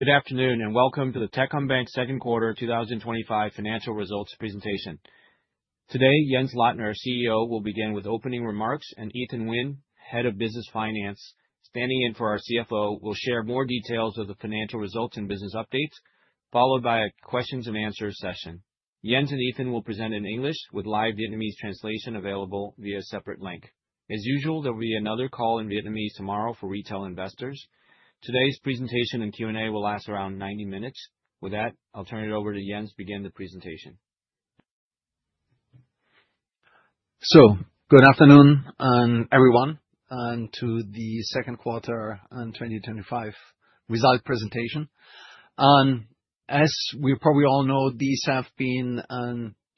Good afternoon, and welcome to the Techcombank Second Quarter 2025 Financial Results Presentation. Today, Jens Lottner, CEO, will begin with opening remarks, and Ethan Wynn, Head of Business Finance, standing in for our CFO, will share more details of the financial results and business updates, followed by a questions and answers session. Jens and Ethan will present in English, with live Vietnamese translation available via a separate link. As usual, there will be another call in Vietnamese tomorrow for retail investors. Today's presentation and Q&A will last around 90 minutes. With that, I'll turn it over to Jens to begin the presentation. Good afternoon everyone, and to the Second Quarter 2025 Result Presentation. As we probably all know, these have been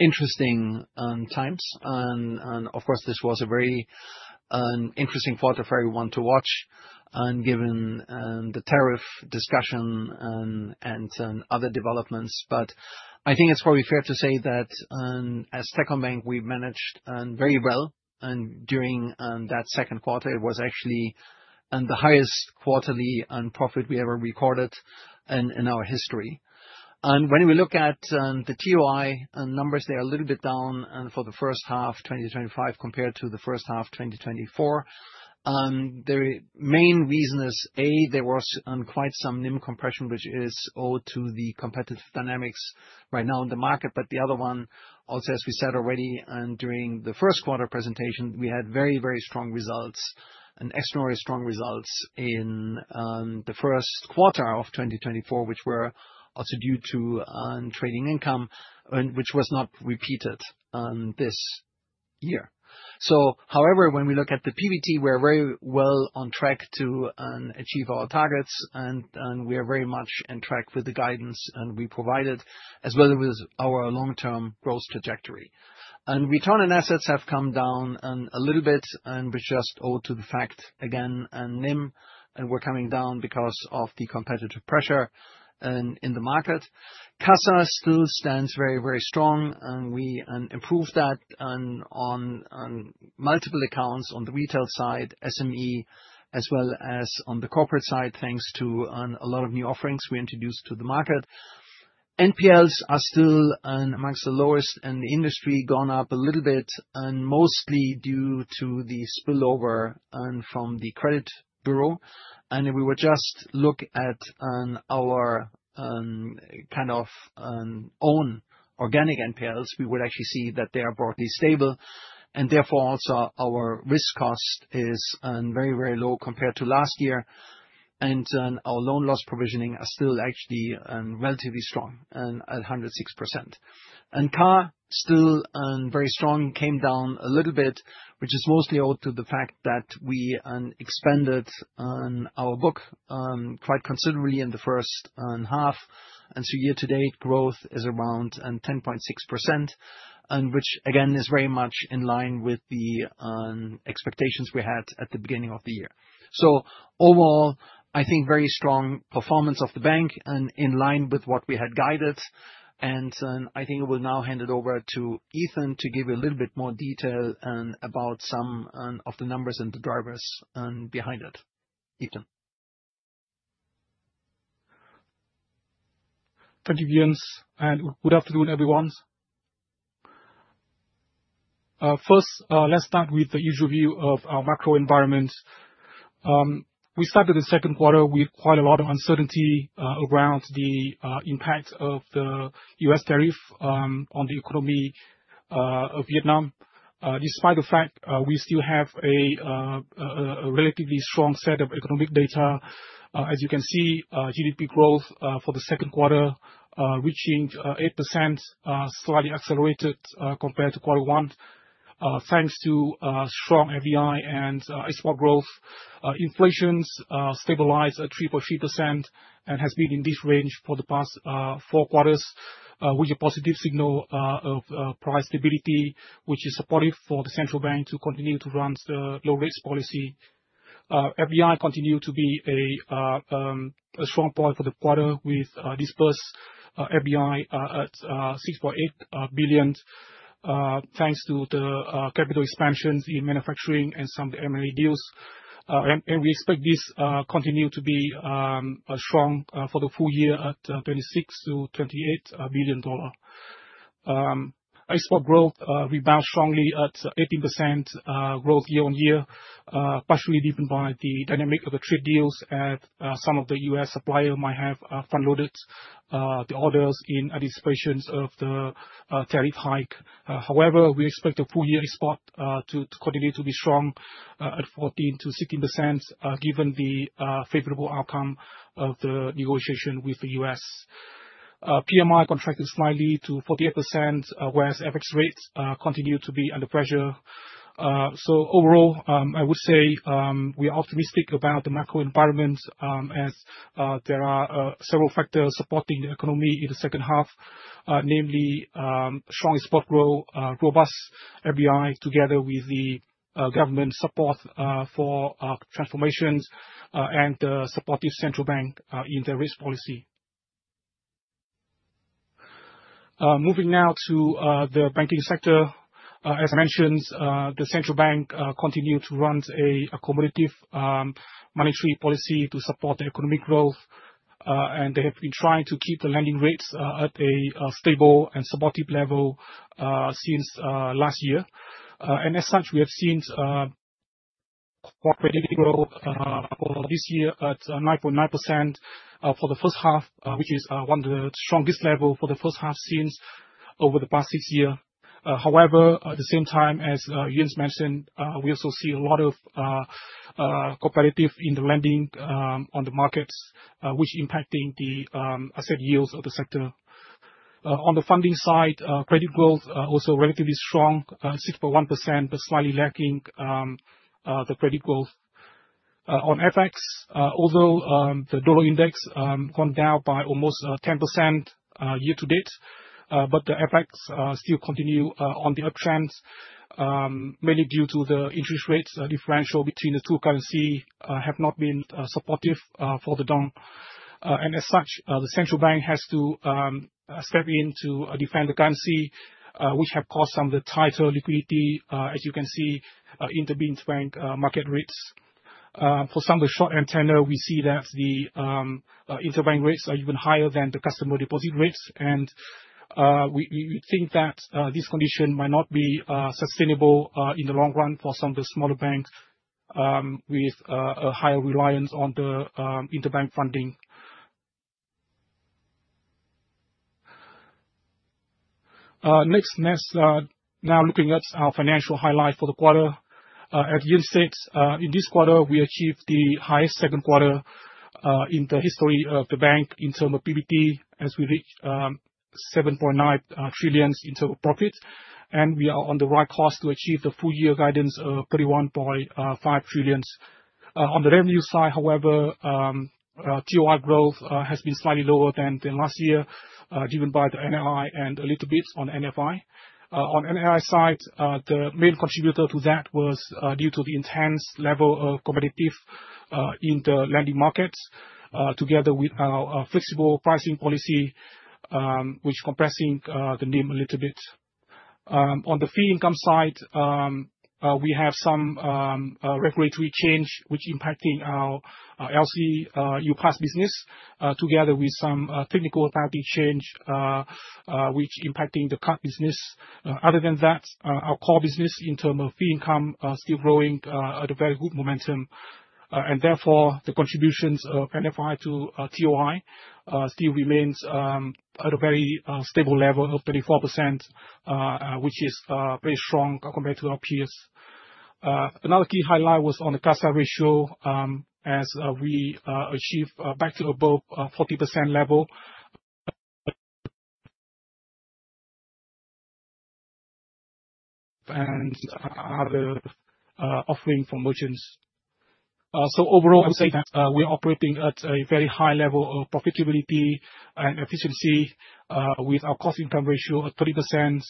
interesting times, and of course, this was a very interesting quarter for everyone to watch, given the tariff discussion and other developments. I think it's probably fair to say that as Techcombank, we managed very well during that second quarter. It was actually the highest quarterly profit we ever recorded in our history. When we look at the TOI numbers, they are a little bit down for the first half 2025 compared to the first half 2024. The main reason is, A, there was quite some NIM compression, which is owed to the competitive dynamics right now in the market. The other one, also, as we said already during the first quarter presentation, we had very, very strong results, extraordinarily strong results in the first quarter of 2024, which were also due to trading income, which was not repeated this year. However, when we look at the PBT, we're very well on track to achieve our targets, and we're very much in track with the guidance we provided, as well as our long-term growth trajectory. Return on assets have come down a little bit, which is just owed to the fact, again, NIM, and we're coming down because of the competitive pressure in the market. CASA still stands very, very strong, and we improved that on multiple accounts on the retail side, SME, as well as on the corporate side, thanks to a lot of new offerings we introduced to the market. NPLs are still amongst the lowest in the industry, gone up a little bit, mostly due to the spillover from the Credit Bureau. If we would just look at our kind of own organic NPLs, we would actually see that they are broadly stable. Therefore, also, our risk cost is very, very low compared to last year. Our loan loss provisioning is still actually relatively strong at 106%. CAR still very strong, came down a little bit, which is mostly owed to the fact that we expanded our book quite considerably in the first half. Year-to-date growth is around 10.6%, which, again, is very much in line with the expectations we had at the beginning of the year. Overall, I think very strong performance of the bank and in line with what we had guided. I think I will now hand it over to Ethan to give you a little bit more detail about some of the numbers and the drivers behind it. Ethan. Thank you, Jens. And good afternoon, everyone. First, let's start with the usual view of our macro environment. We started the second quarter with quite a lot of uncertainty around the impact of the US tariff on the economy of Vietnam. Despite the fact we still have a relatively strong set of economic data, as you can see, GDP growth for the second quarter reaching 8%, slightly accelerated compared to quarter one, thanks to strong FDI and export growth. Inflation stabilized at 3.3% and has been in this range for the past four quarters, which is a positive signal of price stability, which is supportive for the central bank to continue to run the low rates policy. FDI continued to be a strong point for the quarter with dispersed FDI at $6.8 billion, thanks to the capital expansions in manufacturing and some M&A deals. And we expect this continues to be strong for the full year at $26 billion-$28 billion. Export growth rebounded strongly at 18% growth year on year, partially driven by the dynamic of the trade deals as some of the US suppliers might have front-loaded the orders in anticipation of the tariff hike. However, we expect the full-year export to continue to be strong at 14-16%, given the favorable outcome of the negotiation with the US. PMI contracted slightly to 48%, whereas FX rates continue to be under pressure. Overall, I would say we are optimistic about the macro environment as there are several factors supporting the economy in the second half, namely strong export growth, robust FDI, together with the government support for transformations and the supportive central bank in their risk policy. Moving now to the banking sector. As I mentioned, the central bank continues to run an accommodative monetary policy to support the economic growth. They have been trying to keep the lending rates at a stable and supportive level since last year. As such, we have seen corporate debt growth for this year at 9.9% for the first half, which is one of the strongest levels for the first half since over the past six years. However, at the same time, as Jens mentioned, we also see a lot of cooperative in the lending on the markets, which is impacting the asset yields of the sector. On the funding side, credit growth is also relatively strong, 6.1%, but slightly lacking the credit growth. On FX, although the dollar index has gone down by almost 10% year-to-date, the FX still continues on the uptrend, mainly due to the interest rate differential between the two currencies that have not been supportive for the dong. As such, the central bank has to step in to defend the currency, which has caused some of the tighter liquidity, as you can see, in the interbank market rates. For some of the short-term tenure, we see that the interbank rates are even higher than the customer deposit rates. We think that this condition might not be sustainable in the long run for some of the smaller banks, with a higher reliance on the interbank funding. Next, let's now look at our financial highlights for the quarter. As Jens said, in this quarter, we achieved the highest second quarter in the history of the bank in terms of PBT, as we reached 7.9 trillion in total profit. We are on the right course to achieve the full-year guidance of 31.5 trillion. On the revenue side, however, TOI growth has been slightly lower than last year, driven by the NII and a little bit on NFI. On the NII side, the main contributor to that was due to the intense level of competitiveness in the lending markets, together with our flexible pricing policy, which is compressing the NIM a little bit. On the fee income side, we have some regulatory change, which is impacting our LCU pass business, together with some technical accounting change, which is impacting the card business. Other than that, our core business in terms of fee income is still growing at a very good momentum. Therefore, the contributions of NFI to TOI still remain at a very stable level of 34%, which is very strong compared to our peers. Another key highlight was on the CASA ratio, as we achieved back to above 40% level, and other offerings for merchants. Overall, I would say that we are operating at a very high level of profitability and efficiency, with our cost-income ratio of 30%,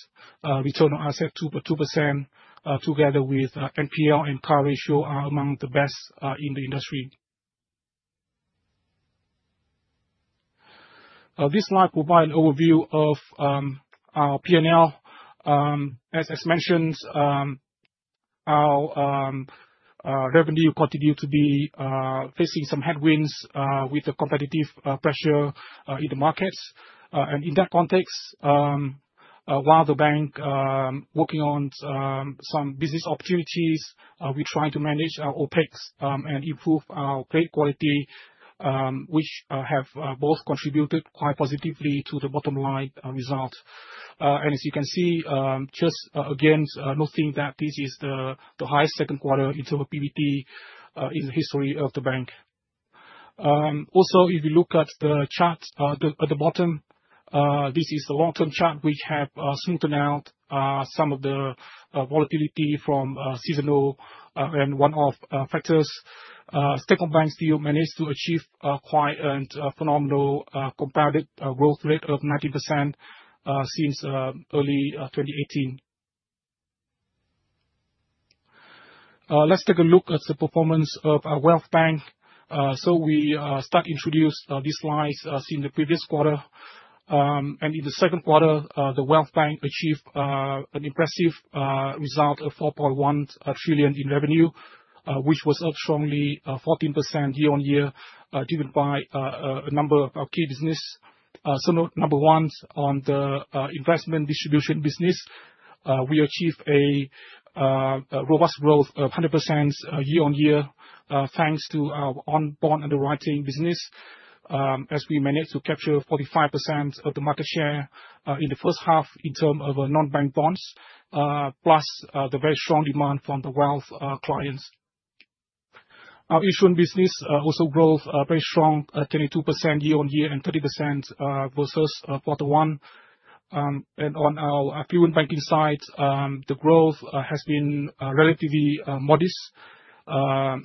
return on assets of 2%, together with NPL and CAR ratio, among the best in the industry. This slide provides an overview of our P&L. As Jens mentioned, our revenue continues to be facing some headwinds with the competitive pressure in the markets. In that context, while the bank is working on some business opportunities, we're trying to manage our OPEX and improve our trade quality, which have both contributed quite positively to the bottom-line result. As you can see, just again, noting that this is the highest second quarter in terms of PBT in the history of the bank. Also, if you look at the chart at the bottom, this is the long-term chart, which has smoothed out some of the volatility from seasonal and one-off factors. Techcombank still managed to achieve quite a phenomenal compounded growth rate of 90% since early 2018. Let's take a look at the performance of our wealth banking. We started to introduce these slides in the previous quarter, and in the second quarter, the wealth banking achieved an impressive result of 4.1 trillion in revenue, which was up strongly 14% year-on-year, driven by a number of key businesses. Number one, on the investment distribution business, we achieved a robust growth of 100% year-on-year, thanks to our on-bond underwriting business. As we managed to capture 45% of the market share in the first half in terms of non-bank bonds, plus the very strong demand from the Wealth clients. Our insurance business also grew very strong, at 22% year-on-year and 30% versus quarter one. On our affluent banking side, the growth has been relatively modest,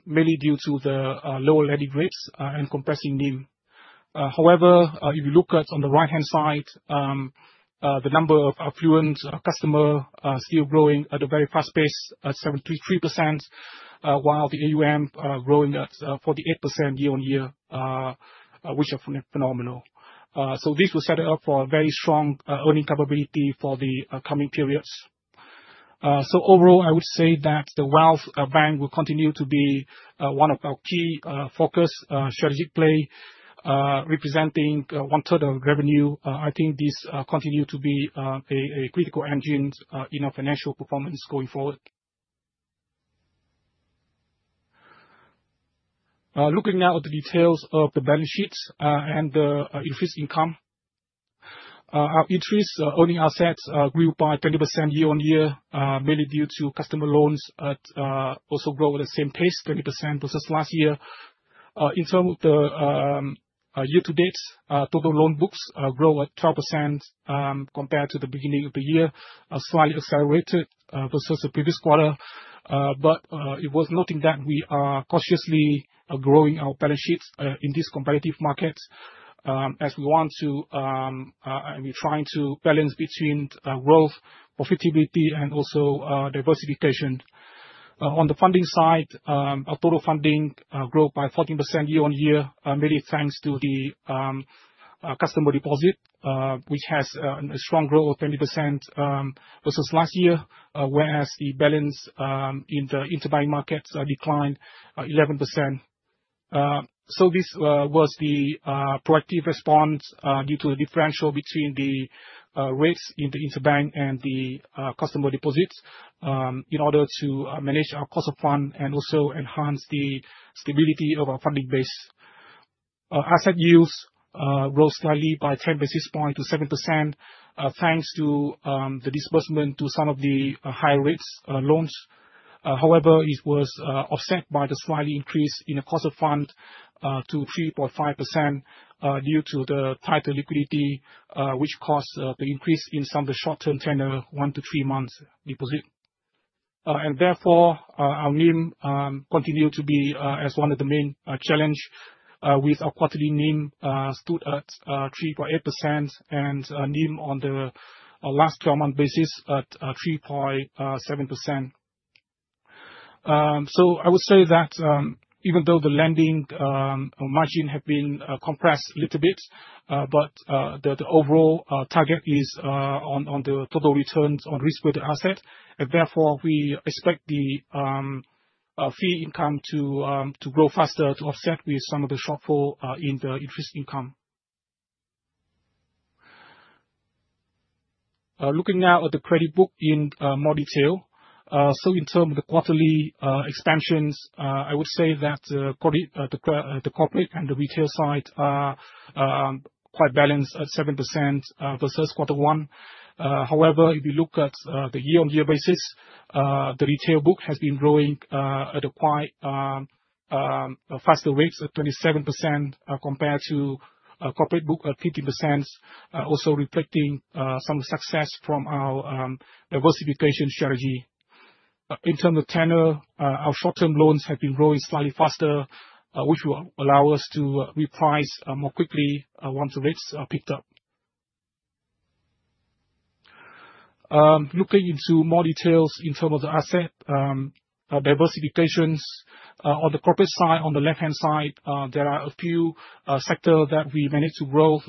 mainly due to the lower lending rates and compressing NIM. However, if you look at the right-hand side, the number of affluent customers is still growing at a very fast pace at 73%, while the AUM is growing at 48% year-on-year, which is phenomenal. This will set it up for a very strong earning capability for the coming periods. Overall, I would say that the Wealth Bank will continue to be one of our key focus strategic plays, representing one-third of revenue. I think this continues to be a critical engine in our financial performance going forward. Looking now at the details of the balance sheets and the interest income, our interest earning assets grew by 20% year-on-year, mainly due to customer loans also growing at the same pace, 20% versus last year. In terms of the year-to-date, total loan books grew at 12% compared to the beginning of the year, slightly accelerated versus the previous quarter. It is worth noting that we are cautiously growing our balance sheets in this competitive market, as we want to, and we're trying to balance between growth, profitability, and also diversification. On the funding side, our total funding grew by 14% year-on-year, mainly thanks to the customer deposit, which has a strong growth of 20% versus last year, whereas the balance in the interbank market declined 11%. This was the proactive response due to the differential between the rates in the interbank and the customer deposits in order to manage our cost of fund and also enhance the stability of our funding base. Asset yields rose slightly by ten basis points to 7%, thanks to the disbursement to some of the higher rates loans. However, it was offset by the slight increase in the cost of fund to 3.5% due to the tighter liquidity, which caused the increase in some of the short-term tenure, one- to three-month deposit. Therefore, our NIM continued to be one of the main challenges, with our quarterly NIM stood at 3.8% and NIM on the last 12-month basis at 3.7%. I would say that even though the lending margin has been compressed a little bit, the overall target is on the total returns on risk-weighted assets. Therefore, we expect the fee income to grow faster to offset with some of the shortfall in the interest income. Looking now at the credit book in more detail, in terms of the quarterly expansions, I would say that the corporate and the retail side are quite balanced at 7% versus quarter one. However, if you look at the year-on-year basis, the retail book has been growing at quite faster rates at 27% compared to the corporate book at 15%, also reflecting some success from our diversification strategy. In terms of tenure, our short-term loans have been growing slightly faster, which will allow us to reprice more quickly once the rates are picked up. Looking into more details in terms of the asset diversifications. On the corporate side, on the left-hand side, there are a few sectors that we managed to grow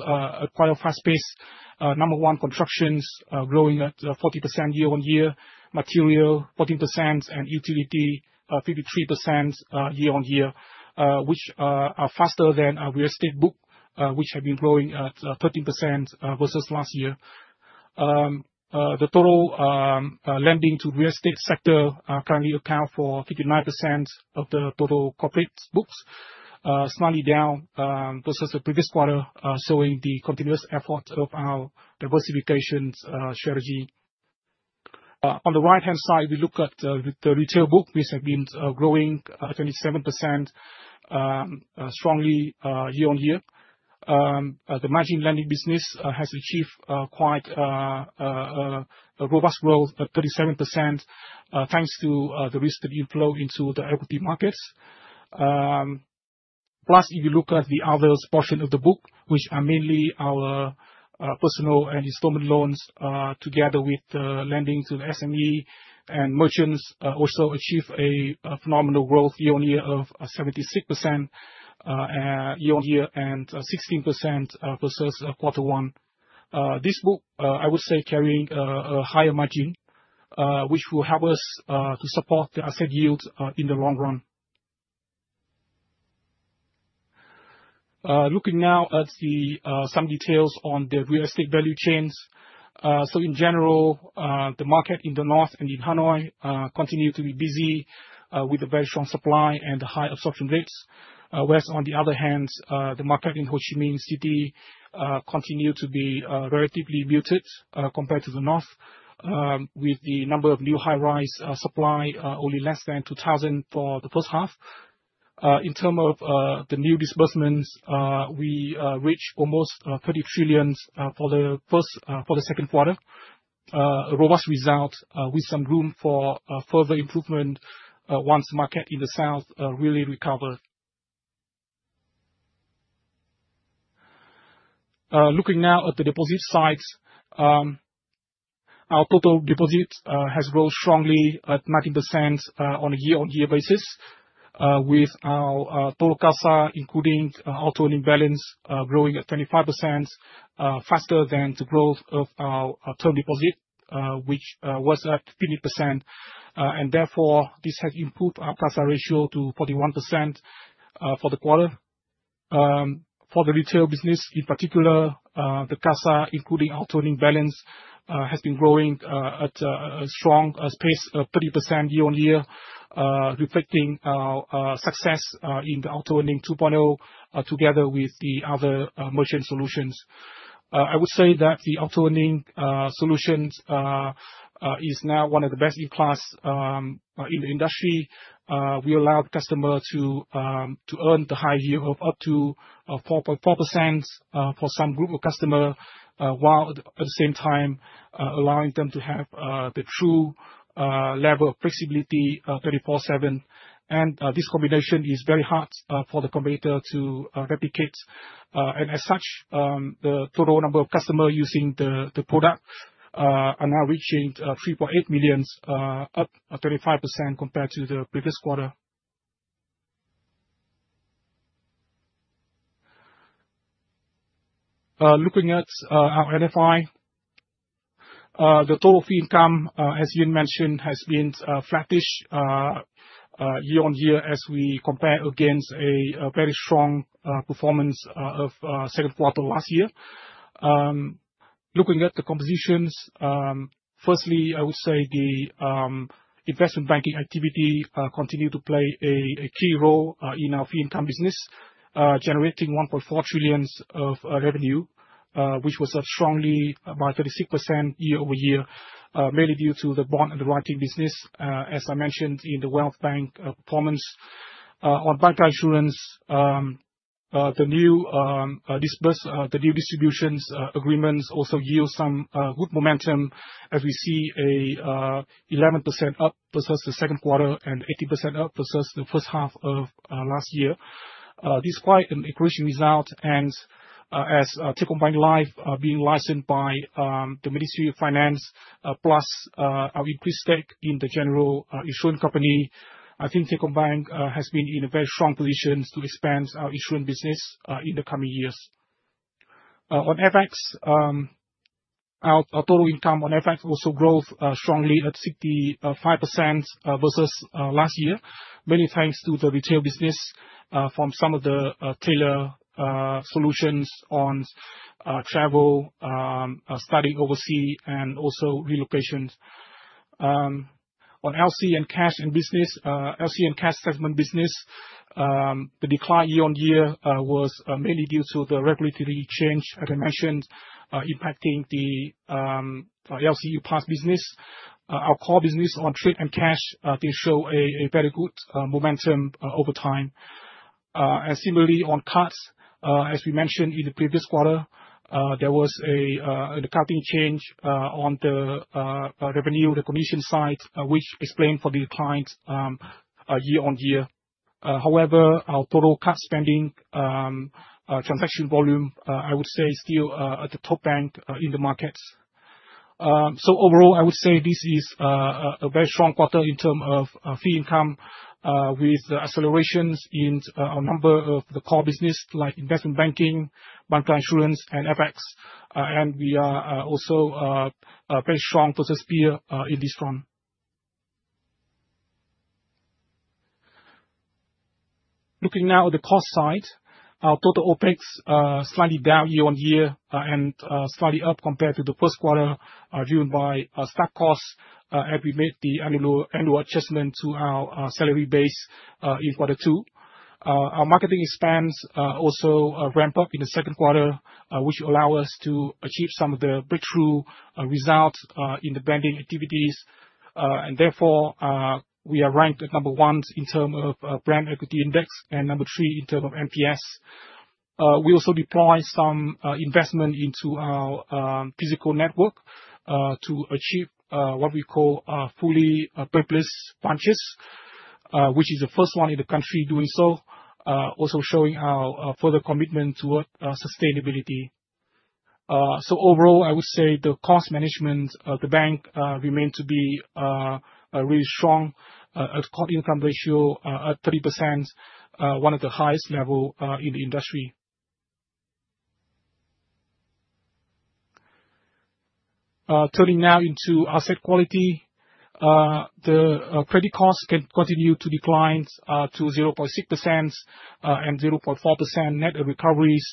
at quite a fast pace. Number one, constructions, growing at 40% year-on-year, materials 14%, and utilities 53% year-on-year, which are faster than our real estate books, which have been growing at 13% versus last year. The total lending to the real estate sector currently accounts for 59% of the total corporate books, slightly down versus the previous quarter, showing the continuous effort of our diversification strategy. On the right-hand side, we look at the retail books, which have been growing at 27% strongly year-on-year. The margin lending business has achieved quite robust growth at 37%. Thanks to the risk that we flow into the equity markets. Plus, if you look at the others portion of the book, which are mainly our personal and installment loans, together with the lending to the SMEs and merchants, also achieved a phenomenal growth year-on-year of 76% year-on-year and 16% versus quarter one. This book, I would say, is carrying a higher margin, which will help us to support the asset yields in the long run. Looking now at some details on the real estate value chains. In general, the market in the north and in Hanoi continue to be busy with a very strong supply and high absorption rates. Whereas, on the other hand, the market in Ho Chi Minh City continues to be relatively muted compared to the north, with the number of new high-rise supplies only less than 2,000 for the first half. In terms of the new disbursements, we reached almost 30 trillion for the second quarter, a robust result with some room for further improvement once the market in the south really recovers. Looking now at the deposit side. Our total deposits have grown strongly at 90% on a year-on-year basis, with our total CASA, including our total in balance, growing at 25%, faster than the growth of our term deposit, which was at 15%. Therefore, this has improved our CASA ratio to 41% for the quarter. For the retail business, in particular, the CASA, including our total in balance, has been growing at a strong pace of 30% year-on-year, reflecting our success in the Auto Earning 2.0, together with the other merchant solutions. I would say that the Auto Earning solutions is now one of the best in class in the industry. We allow the customer to. Earn the high yield of up to 4.4% for some group of customers, while at the same time allowing them to have the true level of flexibility 24/7. This combination is very hard for the competitor to replicate. As such, the total number of customers using the product are now reaching 3.8 million, up 35% compared to the previous quarter. Looking at our NFI, the total fee income, as Jin mentioned, has been flattish year-on-year as we compare against a very strong performance of the second quarter last year. Looking at the compositions, firstly, I would say the investment banking activity continues to play a key role in our fee income business, generating 1.4 trillion of revenue, which was up strongly by 36% year-over-year, mainly due to the bond underwriting business, as I mentioned, in the wealth banking performance. On bank insurance, the new distribution agreements also yield some good momentum as we see an 11% up versus the second quarter and 80% up versus the first half of last year. This is quite an encouraging result. As Techcombank Live is being licensed by the Ministry of Finance, plus our increased stake in the general insurance company, I think Techcombank has been in a very strong position to expand our insurance business in the coming years. On FX, our total income on FX also grew strongly at 65% versus last year, mainly thanks to the retail business from some of the tailored solutions on travel, studying overseas, and also relocations. On LC and cash settlement business, the decline year-on-year was mainly due to the regulatory change, as I mentioned, impacting the LCU pass business. Our core business on trade and cash shows a very good momentum over time. Similarly, on cards, as we mentioned in the previous quarter, there was a cutting change on the revenue recognition side, which explained for the declines year-on-year. However, our total card spending transaction volume, I would say, is still at the top bank in the markets. Overall, I would say this is a very strong quarter in terms of fee income, with accelerations in our number of the core business, like investment banking, bank insurance, and FX. We are also very strong versus peer in this front. Looking now at the cost side, our total OPEX is slightly down year-on-year and slightly up compared to the first quarter, driven by staff costs as we made the annual adjustment to our salary base in quarter two. Our marketing expense also ramped up in the second quarter, which allowed us to achieve some of the breakthrough results in the branding activities. Therefore, we are ranked at number one in terms of brand equity index and number three in terms of NPS. We also deployed some investment into our physical network to achieve what we call fully purposed branches. Which is the first one in the country doing so, also showing our further commitment toward sustainability. Overall, I would say the cost management of the bank remained to be really strong, at core income ratio at 30%. One of the highest levels in the industry. Turning now into asset quality. The credit costs can continue to decline to 0.6%. And 0.4% net recoveries,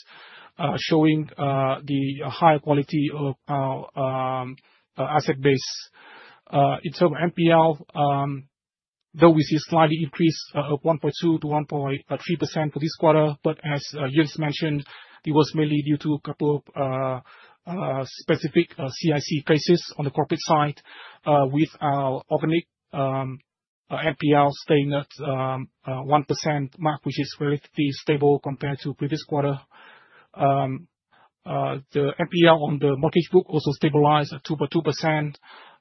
showing the higher quality of our asset base. In terms of NPL, though we see a slight increase of 1.2%-1.3% for this quarter, but as Jens mentioned, it was mainly due to a couple of specific CIC cases on the corporate side, with our organic NPL staying at 1% mark, which is relatively stable compared to the previous quarter. The NPL on the mortgage book also stabilized at 2.2%.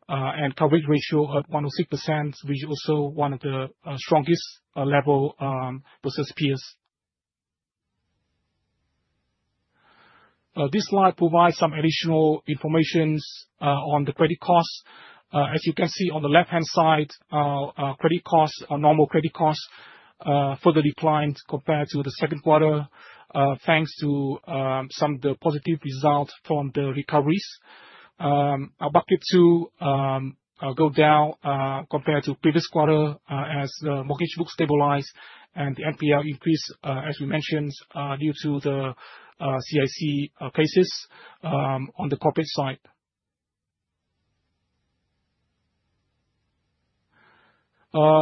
And coverage ratio at 106%, which is also one of the strongest levels versus peers. This slide provides some additional information on the credit costs. As you can see on the left-hand side, our normal credit costs further declined compared to the second quarter, thanks to some of the positive results from the recoveries. Our bucket two goes down compared to the previous quarter as the mortgage book stabilized and the NPL increased, as we mentioned, due to the CIC cases on the corporate side.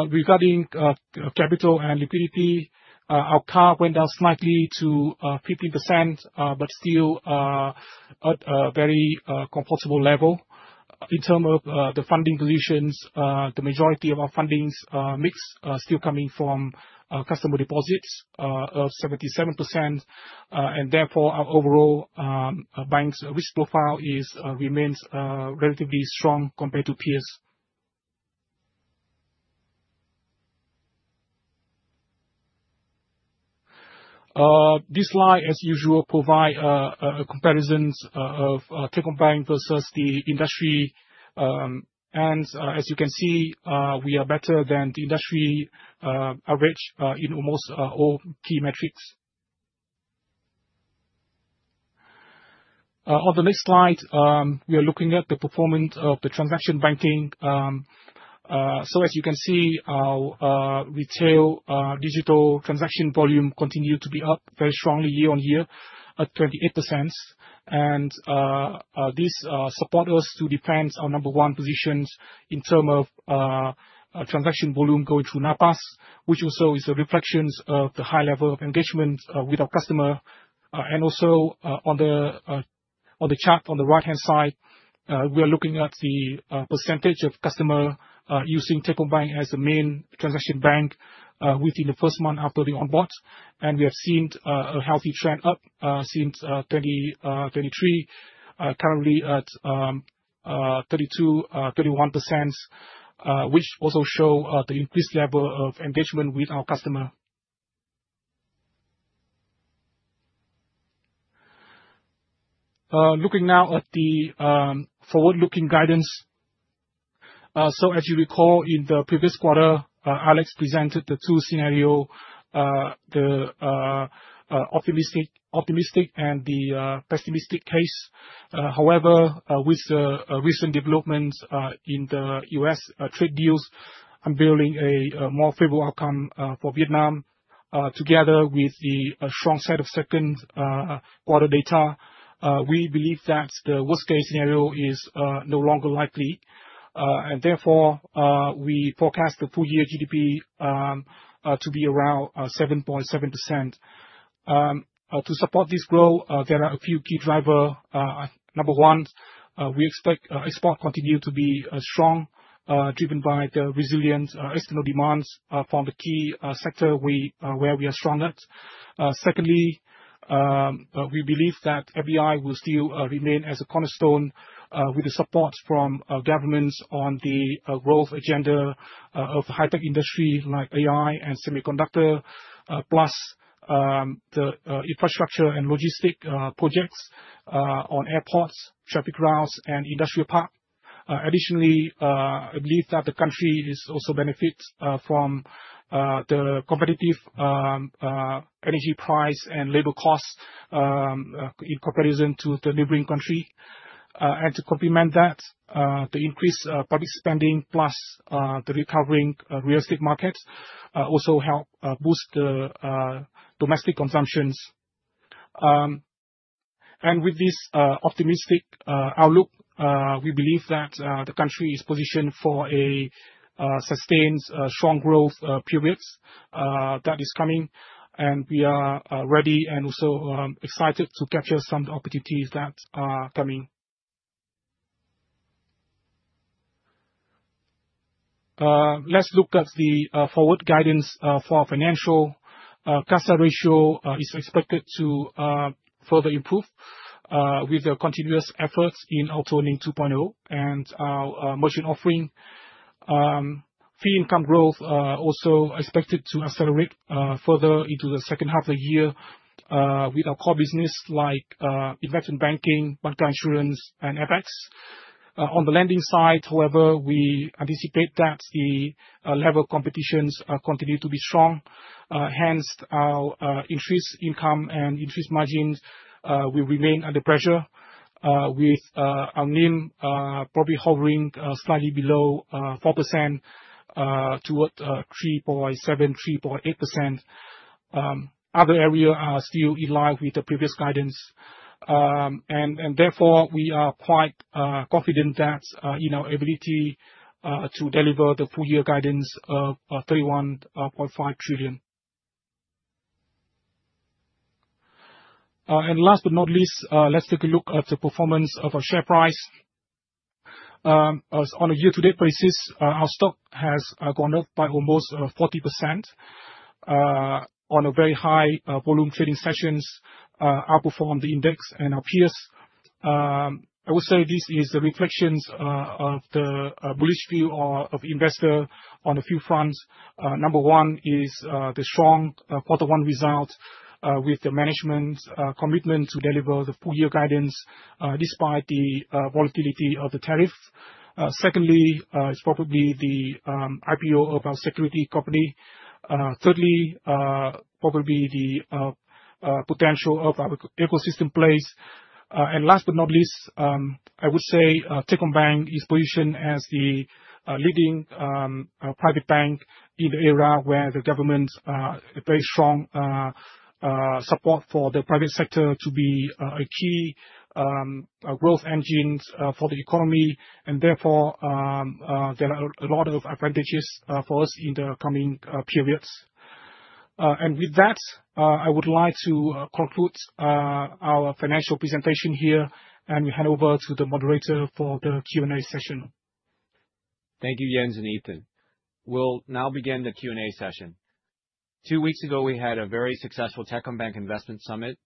Regarding capital and liquidity, our CAR went down slightly to 15%, but still at a very comfortable level. In terms of the funding positions, the majority of our funding mix is still coming from customer deposits of 77%. Therefore, our overall bank's risk profile remains relatively strong compared to peers. This slide, as usual, provides comparisons of Techcombank versus the industry. As you can see, we are better than the industry average in almost all key metrics. On the next slide, we are looking at the performance of the transaction banking. As you can see, our retail digital transaction volume continued to be up very strongly year-on-year at 28%. This supports us to defend our number one positions in terms of transaction volume going through NAPAS, which also is a reflection of the high level of engagement with our customer. Also, on the chart on the right-hand side, we are looking at the percentage of customers using Techcombank as the main transaction bank within the first month after the onboard. We have seen a healthy trend up since 2023, currently at 32%, 31%, which also shows the increased level of engagement with our customer. Looking now at the forward-looking guidance. As you recall, in the previous quarter, Alex presented the two scenarios, the optimistic and the pessimistic case. However, with the recent developments in the U.S. trade deals, I am building a more favorable outcome for Vietnam. Together with the strong set of second quarter data, we believe that the worst-case scenario is no longer likely. Therefore, we forecast the full-year GDP to be around 7.7%. To support this growth, there are a few key drivers. Number one, we expect exports to continue to be strong, driven by the resilient external demands from the key sectors where we are strong at. Secondly, we believe that FDI will still remain as a cornerstone with the support from governments on the growth agenda of the high-tech industry like AI and semiconductor, plus the infrastructure and logistics projects on airports, traffic routes, and industrial parks. Additionally, I believe that the country is also benefiting from the competitive energy price and labor costs in comparison to the neighboring country. To complement that, the increased public spending, plus the recovering real estate market, also helps boost the domestic consumption. With this optimistic outlook, we believe that the country is positioned for a sustained strong growth period that is coming. We are ready and also excited to capture some of the opportunities that are coming. Let's look at the forward guidance for financials. CASA ratio is expected to further improve with the continuous efforts in Auto Earning 2.0 and our merchant offering. Fee income growth is also expected to accelerate further into the second half of the year with our core business like investment banking, bancassurance, and FX. On the lending side, however, we anticipate that the level of competition continues to be strong. Hence, our increased income and increased margins will remain under pressure, with our NIM probably hovering slightly below 4%, toward 3.7%-3.8%. Other areas are still in line with the previous guidance, and therefore, we are quite confident that our ability to deliver the full-year guidance of 31.5 trillion. Last but not least, let's take a look at the performance of our share price. On a year-to-date basis, our stock has gone up by almost 40% on a very high volume trading sessions, outperforming the index and our peers. I would say this is a reflection of the bullish view of investors on a few fronts. Number one is the strong quarter one result with the management's commitment to deliver the full-year guidance despite the volatility of the tariff. Secondly, it's probably the IPO of our securities company. Thirdly, probably the potential of our ecosystem plays. Last but not least, I would say Techcombank is positioned as the leading private bank in the area where the government has very strong support for the private sector to be a key growth engine for the economy. Therefore, there are a lot of advantages for us in the coming periods. With that, I would like to conclude our financial presentation here and hand over to the operator for the Q&A session. Thank you, Jens and Ethan. We'll now begin the Q&A session. Two weeks ago, we had a very successful Techcombank Investment Summit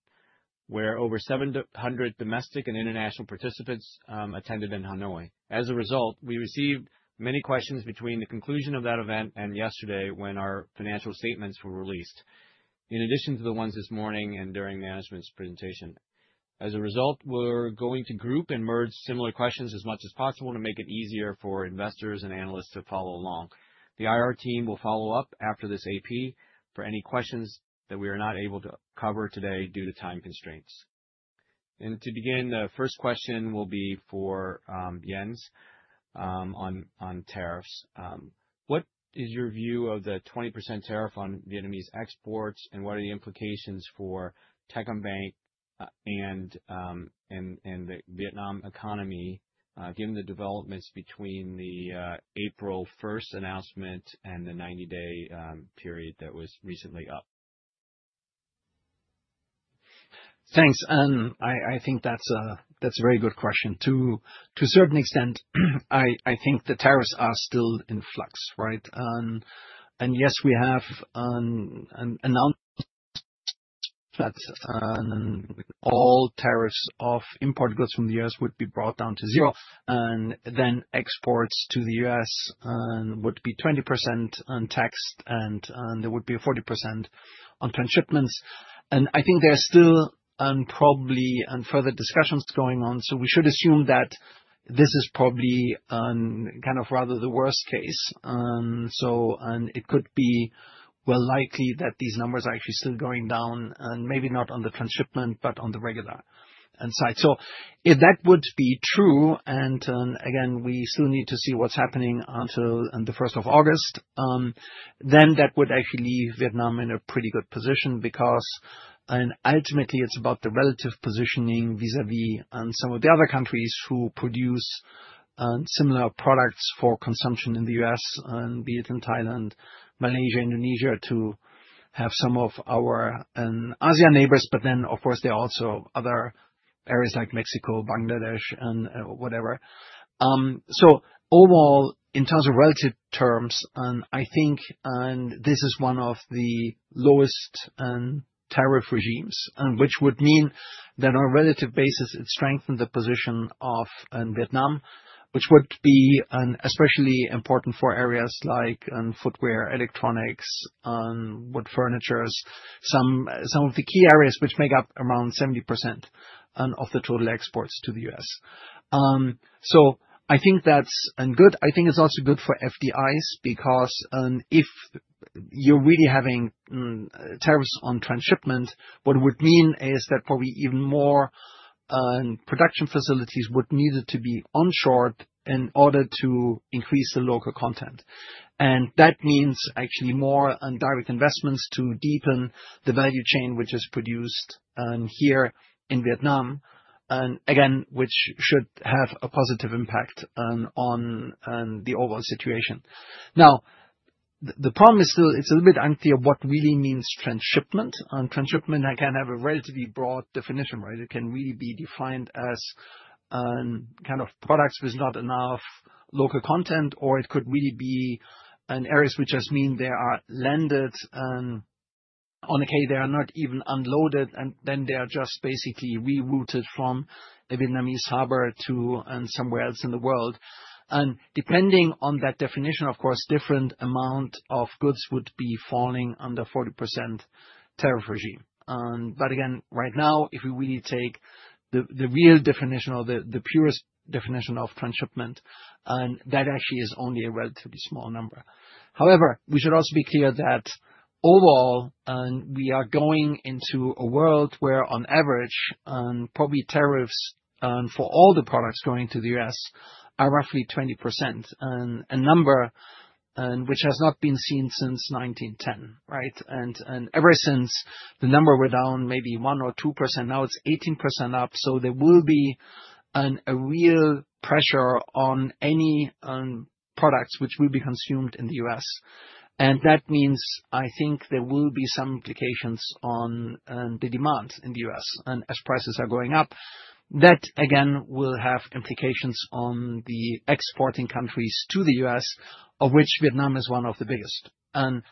where over 700 domestic and international participants attended in Hanoi. As a result, we received many questions between the conclusion of that event and yesterday when our financial statements were released, in addition to the ones this morning and during management's presentation. As a result, we're going to group and merge similar questions as much as possible to make it easier for investors and analysts to follow along. The IR team will follow up after this AP for any questions that we are not able to cover today due to time constraints. To begin, the first question will be for Jens on tariffs. What is your view of the 20% tariff on Vietnamese exports, and what are the implications for Techcombank and the Vietnam economy given the developments between the April 1st announcement and the 90-day period that was recently up? Thanks. I think that's a very good question. To a certain extent, I think the tariffs are still in flux, right? Yes, we have an announcement that all tariffs of import goods from the U.S. would be brought down to zero, and then exports to the U.S. would be 20% taxed, and there would be a 40% on transshipments. I think there are still probably further discussions going on, so we should assume that this is probably kind of rather the worst case. It could be well likely that these numbers are actually still going down, and maybe not on the transshipment, but on the regular side. If that would be true, and again, we still need to see what's happening until the 1st of August, then that would actually leave Vietnam in a pretty good position because ultimately, it's about the relative positioning vis-à-vis some of the other countries who produce similar products for consumption in the U.S., be it in Thailand, Malaysia, Indonesia to have some of our ASEAN neighbors. Of course, there are also other areas like Mexico, Bangladesh, and whatever. Overall, in terms of relative terms, I think this is one of the lowest tariff regimes, which would mean that on a relative basis, it strengthens the position of Vietnam, which would be especially important for areas like footwear, electronics, wood furnitures, some of the key areas which make up around 70% of the total exports to the U.S. I think that's good. I think it's also good for FDIs because if you're really having tariffs on transshipment, what it would mean is that probably even more production facilities would need to be onshore in order to increase the local content. That means actually more direct investments to deepen the value chain which is produced here in Vietnam, again, which should have a positive impact on the overall situation. Now, the problem is still it's a little bit unclear what really means transshipment. Transshipment can have a relatively broad definition, right? It can really be defined as. Kind of products with not enough local content, or it could really be areas which just mean they are landed. On a cave; they are not even unloaded, and then they are just basically rerouted from a Vietnamese harbor to somewhere else in the world. Depending on that definition, of course, a different amount of goods would be falling under a 40% tariff regime. Again, right now, if we really take the real definition or the purest definition of transshipment, that actually is only a relatively small number. However, we should also be clear that overall, we are going into a world where, on average, probably tariffs for all the products going to the U.S. are roughly 20%, a number which has not been seen since 1910, right? Ever since, the number went down maybe 1% or 2%, now it is 18% up. There will be a real pressure on any products which will be consumed in the U.S. That means, I think, there will be some implications on the demand in the U.S. As prices are going up, that, again, will have implications on the exporting countries to the U.S., of which Vietnam is one of the biggest. Again,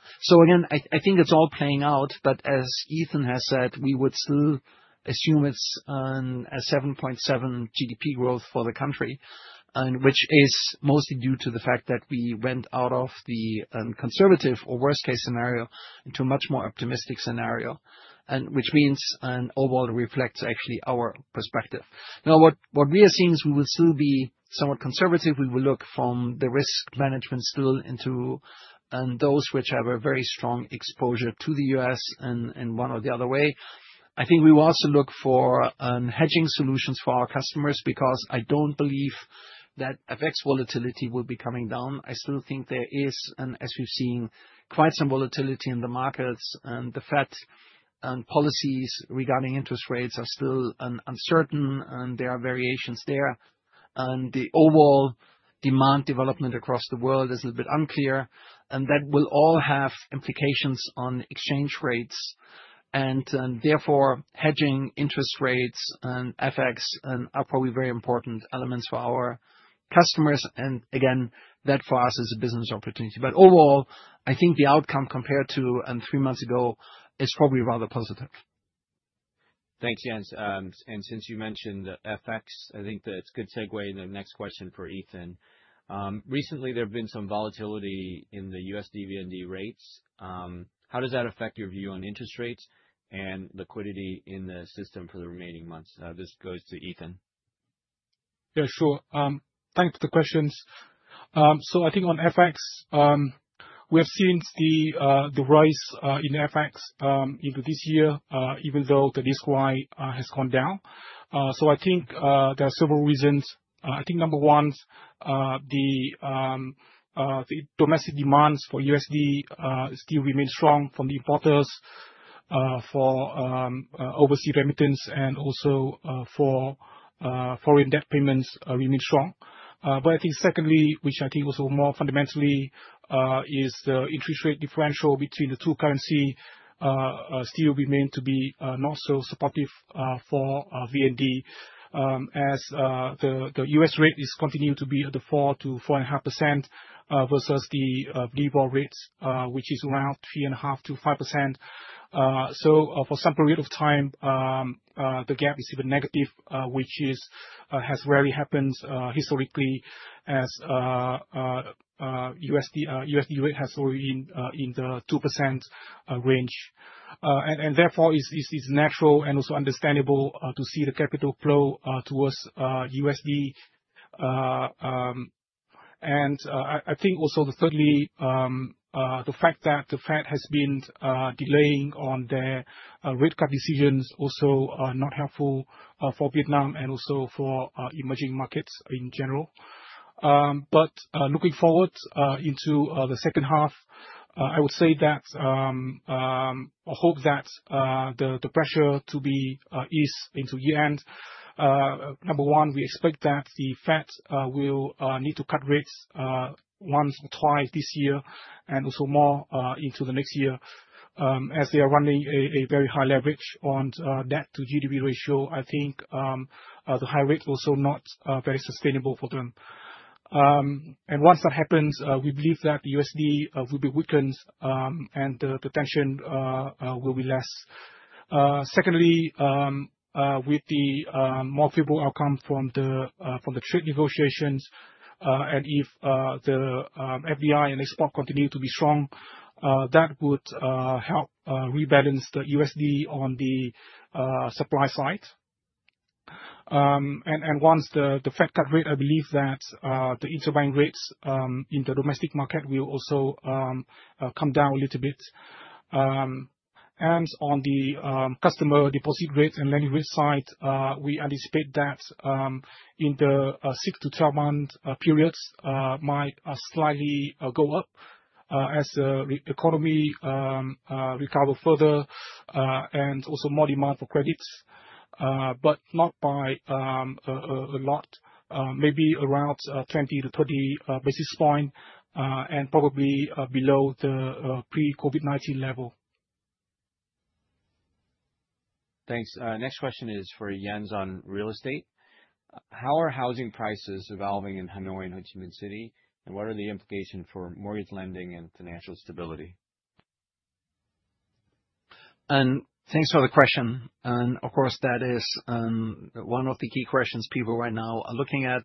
I think it is all playing out, but as Ethan has said, we would still assume it is a 7.7% GDP growth for the country, which is mostly due to the fact that we went out of the conservative or worst-case scenario into a much more optimistic scenario, which means overall reflects actually our perspective. Now, what we are seeing is we will still be somewhat conservative. We will look from the risk management still into those which have a very strong exposure to the U.S. in one or the other way. I think we will also look for hedging solutions for our customers because I do not believe that FX volatility will be coming down. I still think there is, as we have seen, quite some volatility in the markets. The Fed's policies regarding interest rates are still uncertain, and there are variations there. The overall demand development across the world is a little bit unclear. That will all have implications on exchange rates. Therefore, hedging interest rates and FX are probably very important elements for our customers. Again, that for us is a business opportunity. Overall, I think the outcome compared to three months ago is probably rather positive. Thanks, Jens. Since you mentioned FX, I think that is a good segue into the next question for Ethan. Recently, there have been some volatility in the U.S. dollar-VND rates. How does that affect your view on interest rates and liquidity in the system for the remaining months? This goes to Ethan. Yeah, sure. Thanks for the questions. I think on FX, we have seen the rise in FX into this year, even though the DXY has gone down. I think there are several reasons. I think number one. The. Domestic demand for USD still remains strong from the importers. For overseas remittance and also for foreign debt payments remain strong. I think secondly, which I think also more fundamentally, is the interest rate differential between the two currencies still remains to be not so supportive for VND, as the US rate is continuing to be at the 4%-4.5% versus the Libor rate, which is around 3.5%-5%. For some period of time, the gap is even negative, which has rarely happened historically as USD rate has already been in the 2% range. Therefore, it is natural and also understandable to see the capital flow towards USD. I think also thirdly, the fact that the Fed has been delaying on their rate cut decisions is also not helpful for Vietnam and also for emerging markets in general. Looking forward into the second half, I would say that I hope that the pressure to be eased into year-end. Number one, we expect that the Fed will need to cut rates once or twice this year and also more into the next year. As they are running a very high leverage on debt-to-GDP ratio, I think the high rate is also not very sustainable for them. Once that happens, we believe that the USD will be weakened and the tension will be less. Secondly, with the more favorable outcome from the trade negotiations, and if the FDI and export continue to be strong, that would help rebalance the USD on the supply side. Once the Fed cut rate, I believe that the interbank rates in the domestic market will also come down a little bit. On the customer deposit rates and lending rates side, we anticipate that in the 6-12 month periods might slightly go up as the economy recovers further and also more demand for credits, but not by a lot, maybe around 20-30 basis points and probably below the pre-COVID-19 level. Thanks. Next question is for Jens on real estate. How are housing prices evolving in Hanoi and Ho Chi Minh City, and what are the implications for mortgage lending and financial stability? Thanks for the question. Of course, that is one of the key questions people right now are looking at.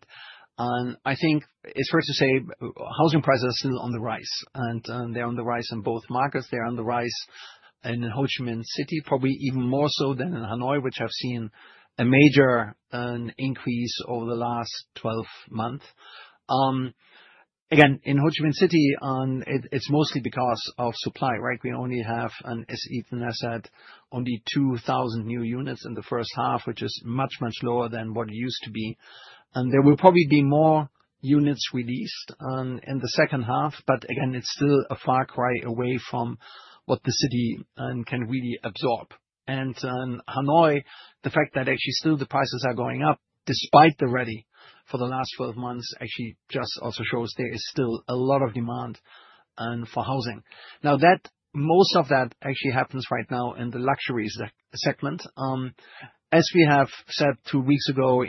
I think it is fair to say housing prices are still on the rise, and they are on the rise in both markets. They are on the rise in Ho Chi Minh City, probably even more so than in Hanoi, which have seen a major increase over the last 12 months. Again, in Ho Chi Minh City, it is mostly because of supply, right? We only have, as Ethan has said, only 2,000 new units in the first half, which is much, much lower than what it used to be. There will probably be more units released in the second half, but again, it is still a far cry away from what the city can really absorb. In Hanoi, the fact that actually still the prices are going up despite the rally for the last 12 months actually just also shows there is still a lot of demand for housing. Most of that actually happens right now in the luxury segment. As we have said two weeks ago at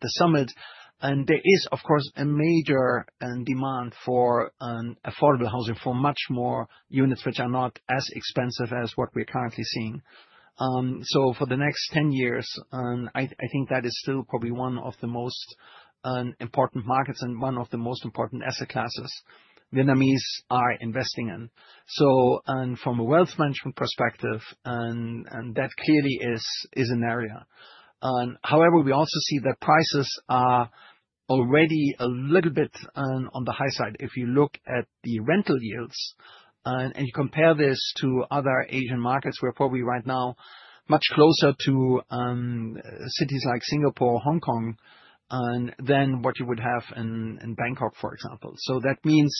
the summit, there is, of course, a major demand for affordable housing for much more units which are not as expensive as what we are currently seeing. For the next 10 years, I think that is still probably one of the most important markets and one of the most important asset classes Vietnamese are investing in. From a wealth management perspective, that clearly is an area. However, we also see that prices are already a little bit on the high side. If you look at the rental yields and you compare this to other Asian markets, we are probably right now much closer to cities like Singapore or Hong Kong than what you would have in Bangkok, for example. That means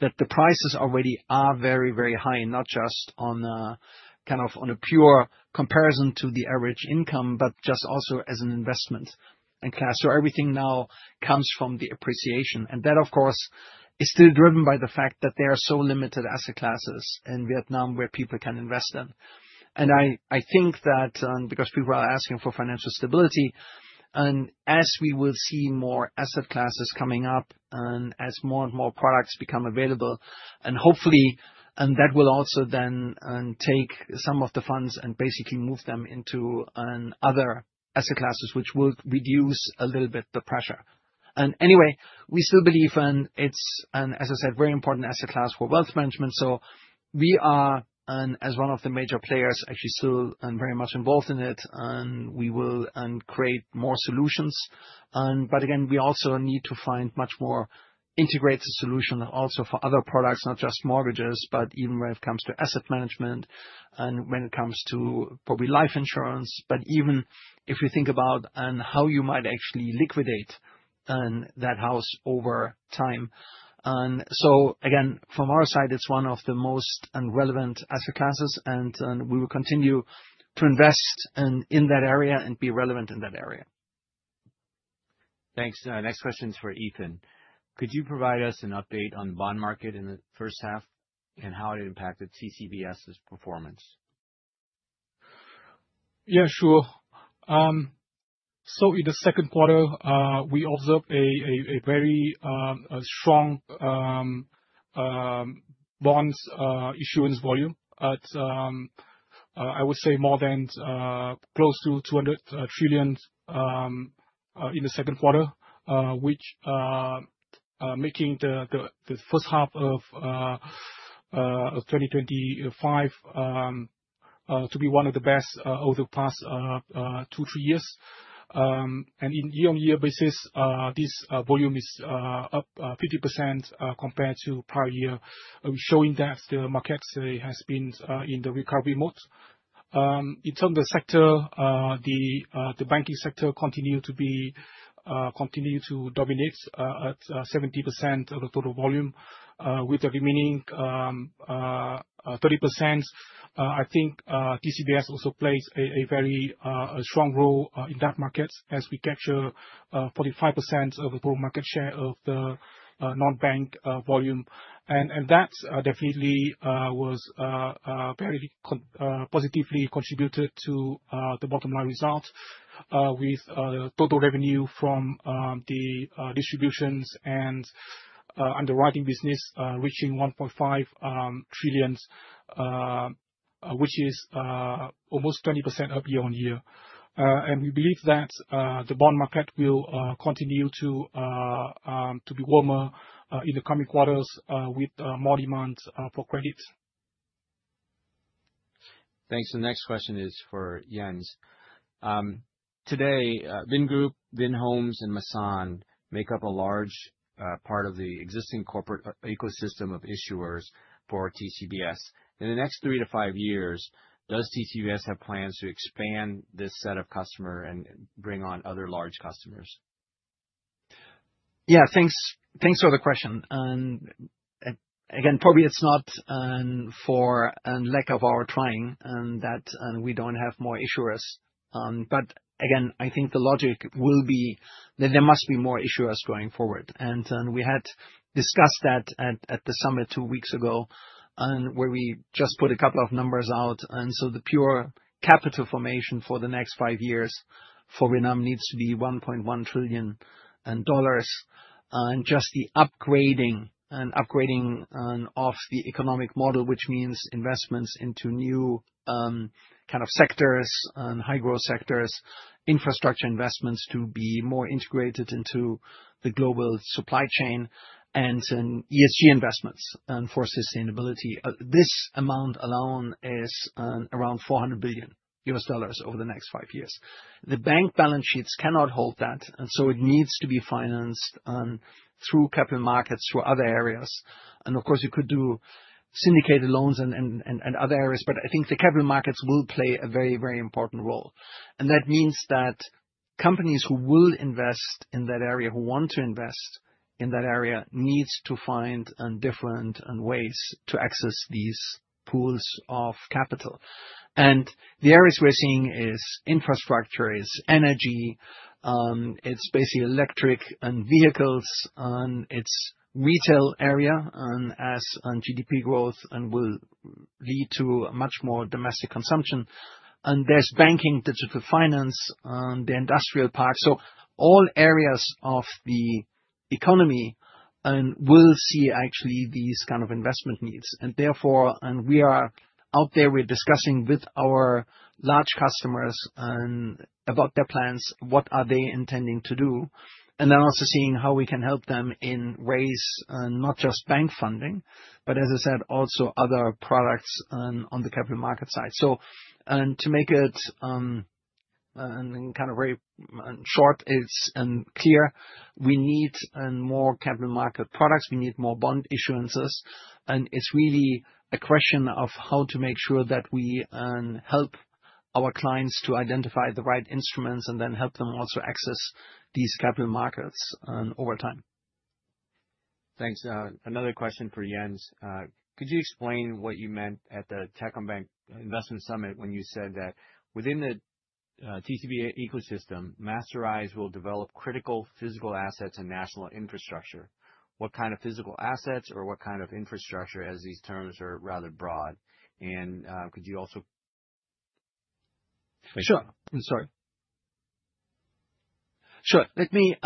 that the prices already are very, very high, not just kind of on a pure comparison to the average income, but just also as an investment and class. Everything now comes from the appreciation. That, of course, is still driven by the fact that there are so limited asset classes in Vietnam where people can invest in. I think that because people are asking for financial stability, and as we will see more asset classes coming up and as more and more products become available, hopefully, that will also then take some of the funds and basically move them into other asset classes, which will reduce a little bit the pressure. Anyway, we still believe in, as I said, a very important asset class for wealth management. We are, as one of the major players, actually still very much involved in it, and we will create more solutions. Again, we also need to find much more integrated solutions also for other products, not just mortgages, but even when it comes to asset management and when it comes to probably life insurance. Even if you think about how you might actually liquidate that house over time. Again, from our side, it is one of the most relevant asset classes, and we will continue to invest in that area and be relevant in that area. Thanks. Next question is for Ethan. Could you provide us an update on the bond market in the first half and how it impacted Techcom Securities' performance? Yeah, sure. In the second quarter, we observed a very strong bond issuance volume at, I would say, more than, close to 200 trillion in the second quarter, which is making the first half of 2025 to be one of the best over the past two, three years. On a year-on-year basis, this volume is up 50% compared to the prior year, showing that the market has been in recovery mode. In terms of the sector, the banking sector continued to dominate at 70% of the total volume, with the remaining 30%. I think TCBS also plays a very strong role in that market as we capture 45% of the total market share of the non-bank volume. That definitely has positively contributed to the bottom-line result, with total revenue from the distributions and underwriting business reaching 1.5 trillion, which is almost 20% up year-on-year. We believe that the bond market will continue to be warmer in the coming quarters with more demand for credit. Thanks. The next question is for Jens. Today, Vingroup, Vinhomes, and Masan make up a large part of the existing corporate ecosystem of issuers for TCBS. In the next three to five years, does TCBS have plans to expand this set of customers and bring on other large customers? Yeah, thanks for the question. Again, probably it's not for lack of our trying that we don't have more issuers. I think the logic will be that there must be more issuers going forward. We had discussed that at the summit two weeks ago, where we just put a couple of numbers out. The pure capital formation for the next five years for Vietnam needs to be $1.1 trillion. Just the upgrading of the economic model, which means investments into new kinds of sectors and high-growth sectors, infrastructure investments to be more integrated into the global supply chain, and ESG investments for sustainability, this amount alone is around $400 billion over the next five years. The bank balance sheets cannot hold that, so it needs to be financed through capital markets, through other areas. Of course, you could do syndicated loans and other areas, but I think the capital markets will play a very, very important role. That means that companies who will invest in that area, who want to invest in that area, need to find different ways to access these pools of capital. The areas we're seeing are infrastructure, energy, basically electric and vehicles, and the retail area, as GDP growth will lead to much more domestic consumption. There is banking, digital finance, the industrial park. All areas of the economy will see actually these kinds of investment needs. Therefore, we are out there, we're discussing with our large customers about their plans, what they are intending to do, and then also seeing how we can help them in ways not just bank funding, but as I said, also other products on the capital market side. To make it very short and clear, we need more capital market products. We need more bond issuances. It's really a question of how to make sure that we help our clients to identify the right instruments and then help them also access these capital markets over time. Thanks. Another question for Jens. Could you explain what you meant at the Techcombank Investment Summit when you said that within the TCBS ecosystem, Masterise will develop critical physical assets and national infrastructure? What kind of physical assets or what kind of infrastructure, as these terms are rather broad? Could you also— sure. I'm sorry. Sure. Let me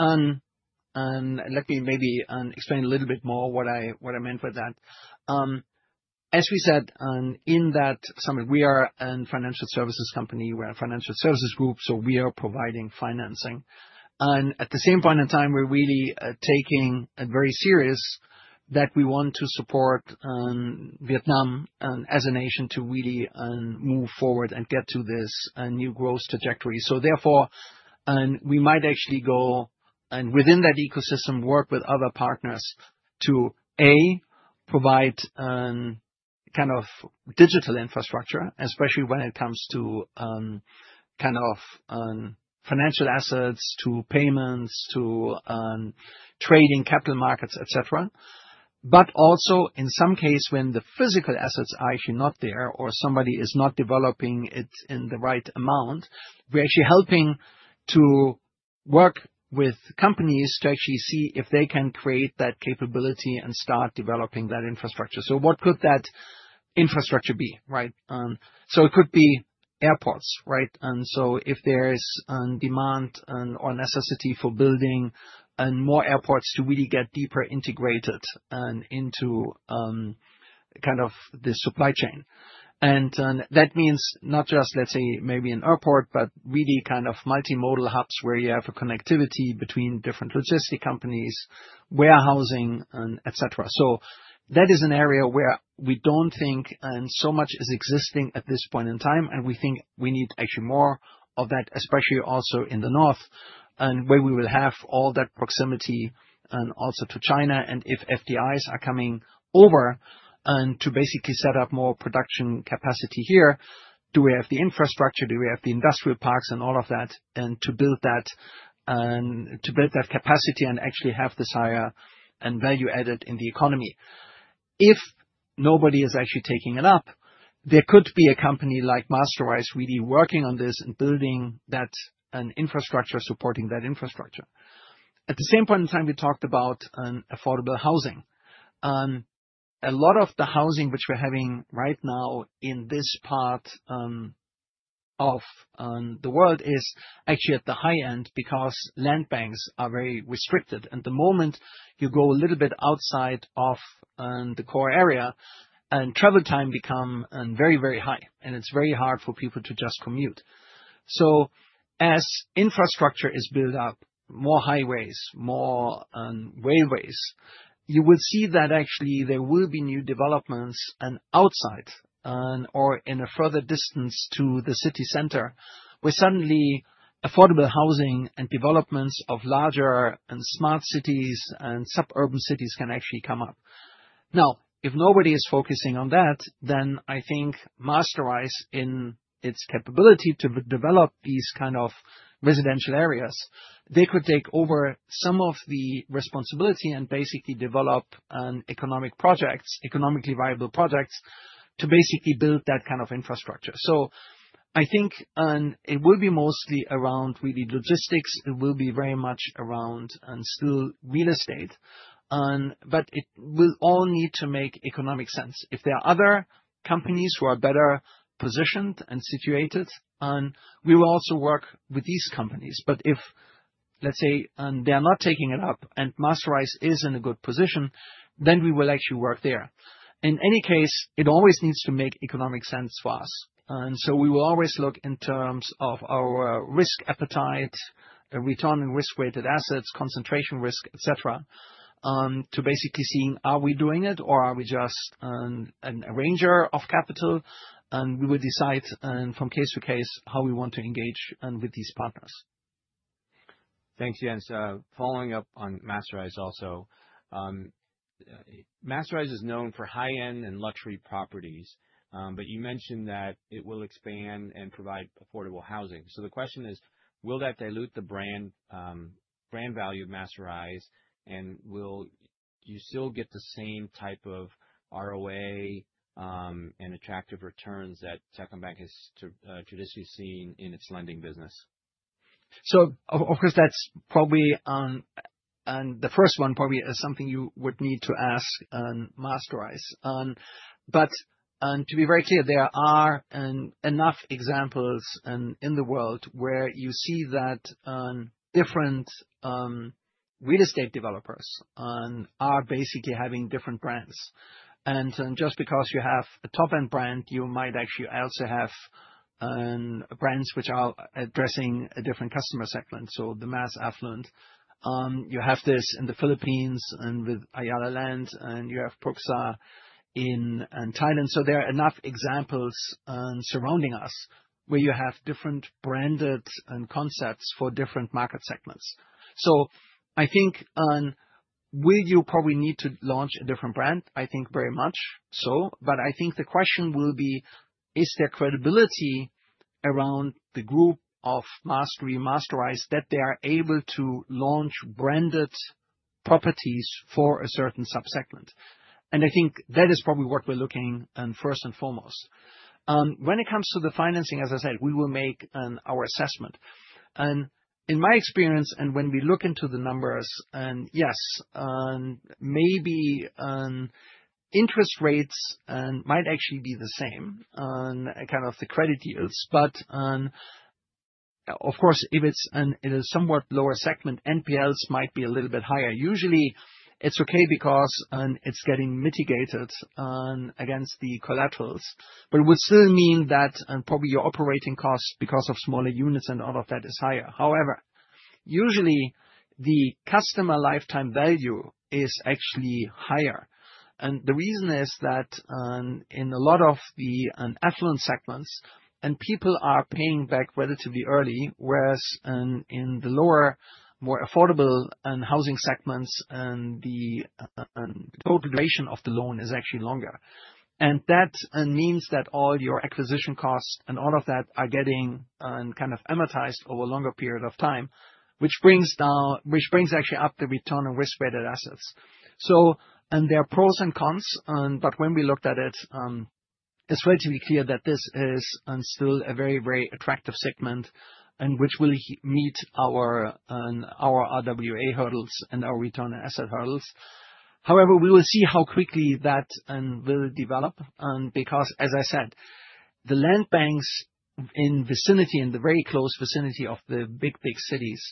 maybe explain a little bit more what I meant with that. As we said in that summit, we are a financial services company. We're a financial services group, so we are providing financing. At the same point in time, we're really taking it very seriously that we want to support Vietnam as a nation to really move forward and get to this new growth trajectory. Therefore, we might actually go and, within that ecosystem, work with other partners to, A, provide kind of digital infrastructure, especially when it comes to financial assets, to payments, to trading capital markets, etc. In some cases, when the physical assets are actually not there or somebody is not developing it in the right amount, we're actually helping to work with companies to actually see if they can create that capability and start developing that infrastructure. What could that infrastructure be, right? It could be airports, right? If there's demand or necessity for building more airports to really get deeper integrated into the supply chain, that means not just, let's say, maybe an airport, but really kind of multimodal hubs where you have connectivity between different logistics companies, warehousing, etc. That is an area where we don't think so much is existing at this point in time, and we think we need actually more of that, especially also in the north, where we will have all that proximity also to China. If FDIs are coming over to basically set up more production capacity here, do we have the infrastructure? Do we have the industrial parks and all of that to build that capacity and actually have this higher value added in the economy? If nobody is actually taking it up, there could be a company like Masterise really working on this and building that infrastructure, supporting that infrastructure. At the same point in time, we talked about affordable housing. A lot of the housing which we're having right now in this part of the world is actually at the high end because land banks are very restricted. The moment you go a little bit outside of the core area, travel times become very, very high, and it's very hard for people to just commute. As infrastructure is built up, more highways, more railways, you will see that actually there will be new developments outside. Or in a further distance to the city center, where suddenly affordable housing and developments of larger and smart cities and suburban cities can actually come up. Now, if nobody is focusing on that, then I think Masterise, in its capability to develop these kinds of residential areas, they could take over some of the responsibility and basically develop economic projects, economically viable projects, to basically build that kind of infrastructure. I think it will be mostly around really logistics. It will be very much around still real estate. It will all need to make economic sense. If there are other companies who are better positioned and situated, we will also work with these companies. If, let's say, they're not taking it up and Masterise is in a good position, then we will actually work there. In any case, it always needs to make economic sense for us. We will always look in terms of our risk appetite, return on risk-weighted assets, concentration risk, etc., to basically seeing, are we doing it or are we just a ranger of capital? We will decide from case to case how we want to engage with these partners. Thanks, Jens. Following up on Masterise also. Masterise is known for high-end and luxury properties, but you mentioned that it will expand and provide affordable housing. The question is, will that dilute the brand value of Masterise, and will you still get the same type of ROA and attractive returns that Techcombank has traditionally seen in its lending business? Of course, that's probably—the first one probably is something you would need to ask Masterise. To be very clear, there are enough examples in the world where you see that different real estate developers are basically having different brands. Just because you have a top-end brand, you might actually also have brands which are addressing a different customer segment, so the mass affluent. You have this in the Philippines and with Ayala Land, and you have Pruksa in Thailand. There are enough examples surrounding us where you have different branded concepts for different market segments. I think, will you probably need to launch a different brand? I think very much so. The question will be, is there credibility around the group of Masterise that they are able to launch branded properties for a certain subsegment? I think that is probably what we're looking at first and foremost. When it comes to the financing, as I said, we will make our assessment. In my experience, and when we look into the numbers, yes, maybe interest rates might actually be the same on kind of the credit yields. Of course, if it's in a somewhat lower segment, NPLs might be a little bit higher. Usually, it's okay because it's getting mitigated against the collaterals. But it would still mean that probably your operating costs because of smaller units and all of that is higher. However, usually, the customer lifetime value is actually higher. The reason is that in a lot of the affluent segments, people are paying back relatively early, whereas in the lower, more affordable housing segments, the total duration of the loan is actually longer. That means that all your acquisition costs and all of that are getting kind of amortized over a longer period of time, which brings actually up the return on risk-weighted assets. There are pros and cons, but when we looked at it, it's relatively clear that this is still a very, very attractive segment which will meet our RWA hurdles and our return on asset hurdles. However, we will see how quickly that will develop because, as I said, the land banks in very close vicinity of the big, big cities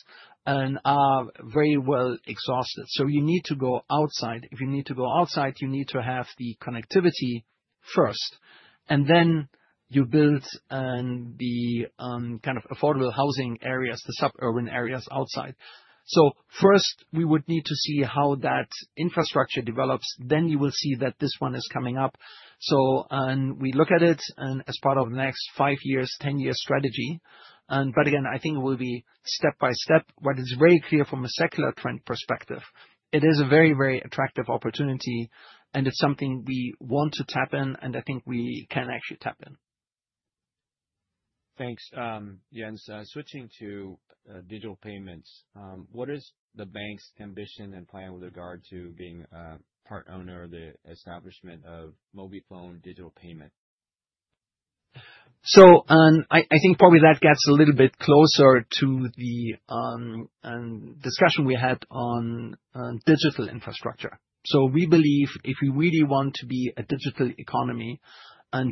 are very well exhausted. You need to go outside. If you need to go outside, you need to have the connectivity first. Then you build the kind of affordable housing areas, the suburban areas outside. First, we would need to see how that infrastructure develops. Then you will see that this one is coming up. We look at it as part of the next five years, ten-year strategy. Again, I think it will be step by step. What is very clear from a secular trend perspective, it is a very, very attractive opportunity, and it's something we want to tap in, and I think we can actually tap in. Thanks, Jens. Switching to digital payments, what is the bank's ambition and plan with regard to being part owner of the establishment of MobiFone Digital Payment? I think probably that gets a little bit closer to the discussion we had on digital infrastructure. We believe if we really want to be a digital economy,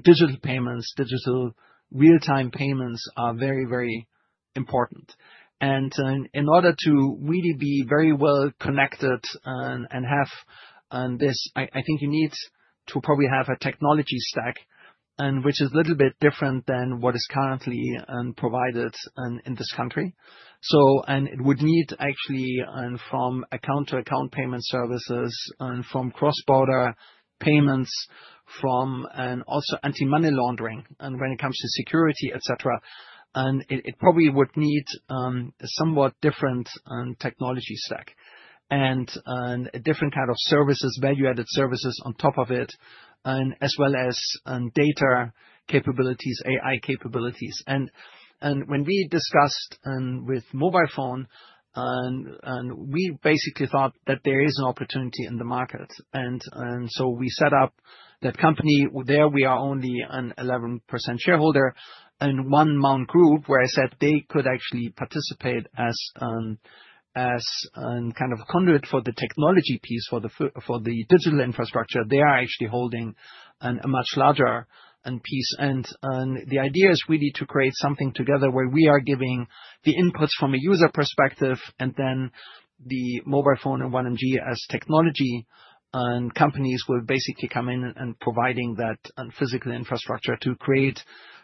digital payments, digital real-time payments are very, very important. In order to really be very well connected and have this, I think you need to probably have a technology stack which is a little bit different than what is currently provided in this country. It would need actually from account-to-account payment services, from cross-border payments, from also anti-money laundering, and when it comes to security, etc., it probably would need a somewhat different technology stack and a different kind of services, value-added services on top of it, as well as data capabilities, AI capabilities. When we discussed with MobiFone, we basically thought that there is an opportunity in the market. We set up that company. There we are only an 11% shareholder and One Mount Group, where I said they could actually participate as kind of a conduit for the technology piece, for the digital infrastructure. They are actually holding a much larger piece. The idea is really to create something together where we are giving the inputs from a user perspective, and then MobiFone and One Mount Group as technology companies will basically come in and provide that physical infrastructure to create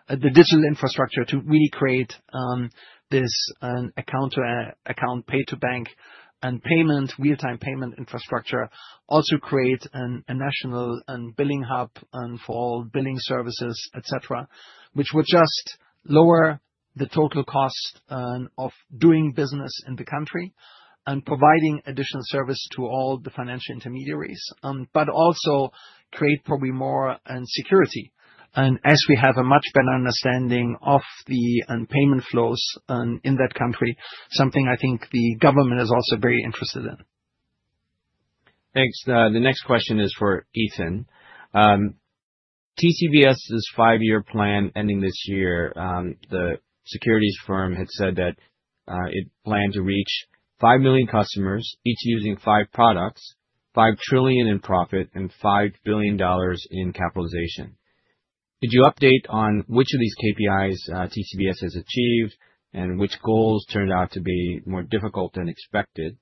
the digital infrastructure to really create this account-to-account, pay-to-bank and payment, real-time payment infrastructure, also create a national billing hub for all billing services, etc., which would just lower the total cost of doing business in the country and providing additional service to all the financial intermediaries, but also create probably more security. As we have a much better understanding of the payment flows in that country, something I think the government is also very interested in. Thanks. The next question is for Ethan. TCBS's five-year plan ending this year, the securities firm had said that it planned to reach 5 million customers, each using five products, 5 trillion in profit, and $5 billion in capitalization. Could you update on which of these KPIs TCBS has achieved and which goals turned out to be more difficult than expected?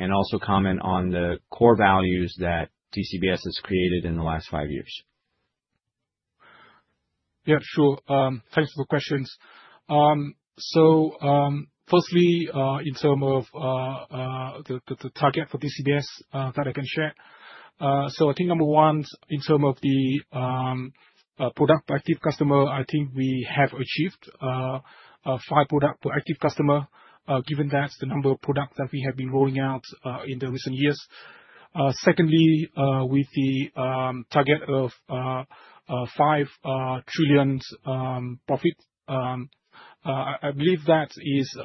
Also comment on the core values that TCBS has created in the last five years. Yeah, sure. Thanks for the questions. Firstly, in terms of the target for TCBS that I can share. I think number one, in terms of the product per active customer, I think we have achieved five products per active customer, given that's the number of products that we have been rolling out in the recent years. Secondly, with the target of 5 trillion profit, I believe that is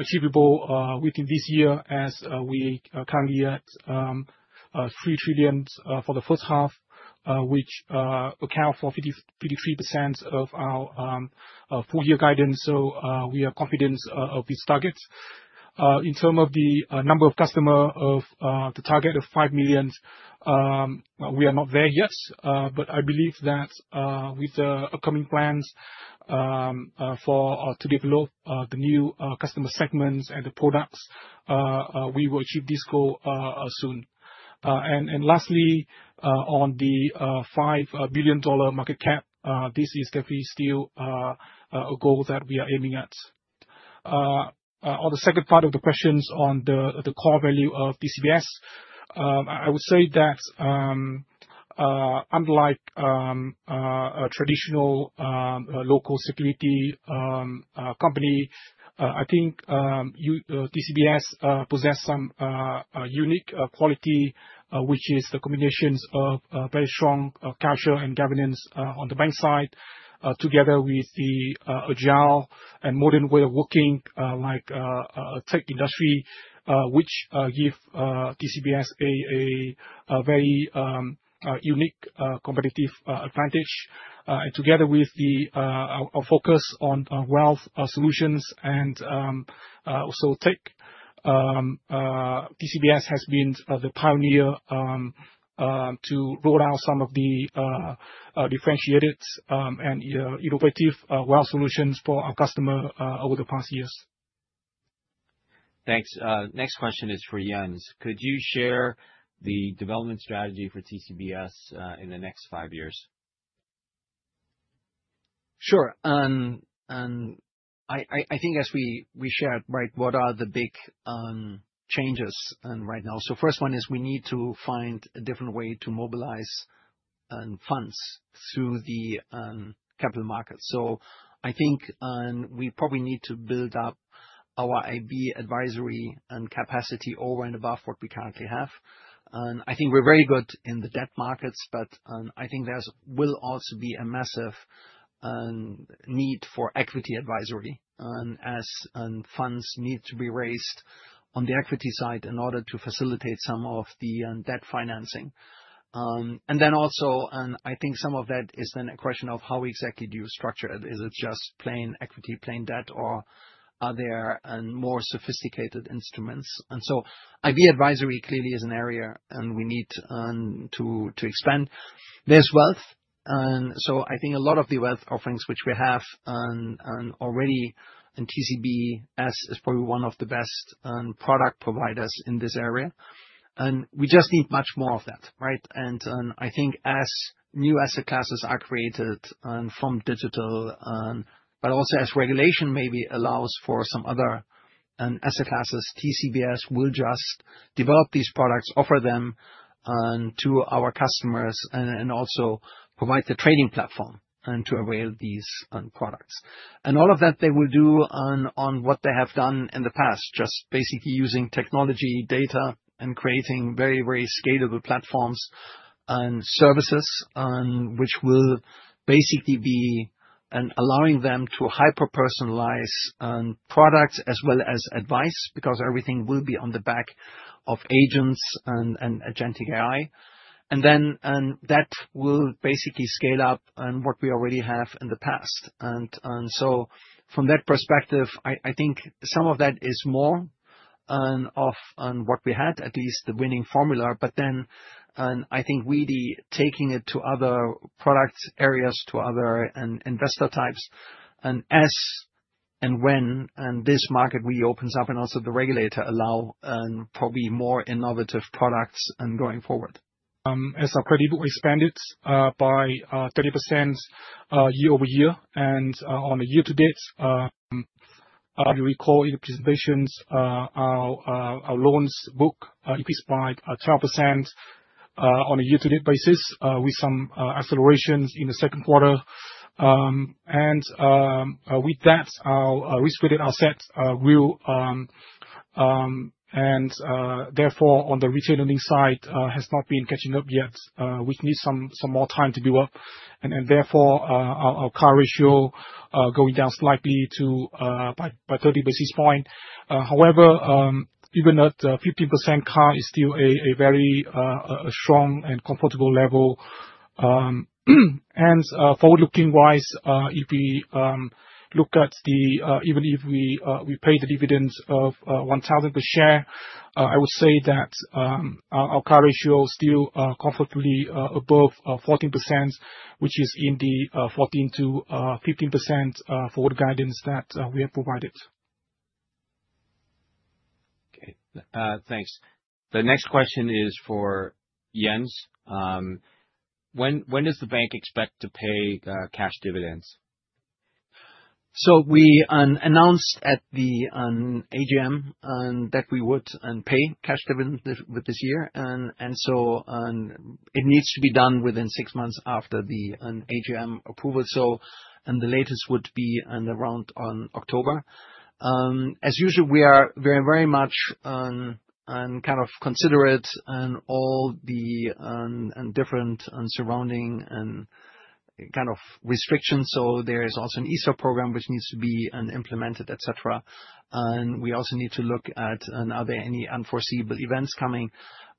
achievable within this year as we are currently at 3 trillion for the first half, which accounts for 53% of our full-year guidance. We are confident of this target. In terms of the number of customers of the target of 5 million, we are not there yet, but I believe that with the upcoming plans to develop the new customer segments and the products, we will achieve this goal soon. Lastly, on the $5 billion market cap, this is definitely still a goal that we are aiming at. On the second part of the questions on the core value of TCBS, I would say that unlike a traditional local securities company, I think TCBS possesses some unique quality, which is the combination of very strong culture and governance on the bank side, together with the agile and modern way of working like a tech industry, which gives TCBS a very unique competitive advantage. Together with our focus on wealth solutions and also tech, TCBS has been the pioneer to roll out some of the differentiated and innovative wealth solutions for our customers over the past years. Thanks. Next question is for Jens. Could you share the development strategy for TCBS in the next five years? Sure. I think as we shared, right, what are the big changes right now? First one is we need to find a different way to mobilize. Funds through the capital markets. I think we probably need to build up our IB advisory capacity over and above what we currently have. I think we're very good in the debt markets, but I think there will also be a massive need for equity advisory as funds need to be raised on the equity side in order to facilitate some of the debt financing. I think some of that is then a question of how exactly do you structure it. Is it just plain equity, plain debt, or are there more sophisticated instruments? IB advisory clearly is an area we need to expand. There's wealth. I think a lot of the wealth offerings which we have already in TCBS is probably one of the best product providers in this area. We just need much more of that, right? I think as new asset classes are created from digital, but also as regulation maybe allows for some other asset classes, TCBS will just develop these products, offer them to our customers, and also provide the trading platform to avail these products. All of that they will do on what they have done in the past, just basically using technology, data, and creating very, very scalable platforms and services which will basically be allowing them to hyper-personalize products as well as advice because everything will be on the back of agents and agentic AI. That will basically scale up what we already have in the past. From that perspective, I think some of that is more of what we had, at least the winning formula. I think really taking it to other product areas, to other investor types, and as and when this market really opens up and also the regulator allows probably more innovative products going forward. As our credit will expand by 30% year over year. On a year-to-date, you recall in the presentations, our loans book increased by 12% on a year-to-date basis with some accelerations in the second quarter. With that, our risk-weighted asset will, and therefore, on the retail earnings side, has not been catching up yet, which needs some more time to build up. Therefore, our CAR ratio going down slightly by 30 basis points. However, even at 15%, CAR is still a very strong and comfortable level. Forward-looking-wise, if we look at the, even if we pay the dividends of 1,000 per share, I would say that our CAR ratio is still comfortably above 14%, which is in the 14-15% forward guidance that we have provided. Okay. Thanks. The next question is for Jens. When does the bank expect to pay cash dividends? We announced at the AGM that we would pay cash dividends this year. It needs to be done within six months after the AGM approval. The latest would be around October. As usual, we are very, very much kind of considerate on all the different surrounding kind of restrictions. There is also an ESOP program which needs to be implemented, etc. We also need to look at are there any unforeseeable events coming.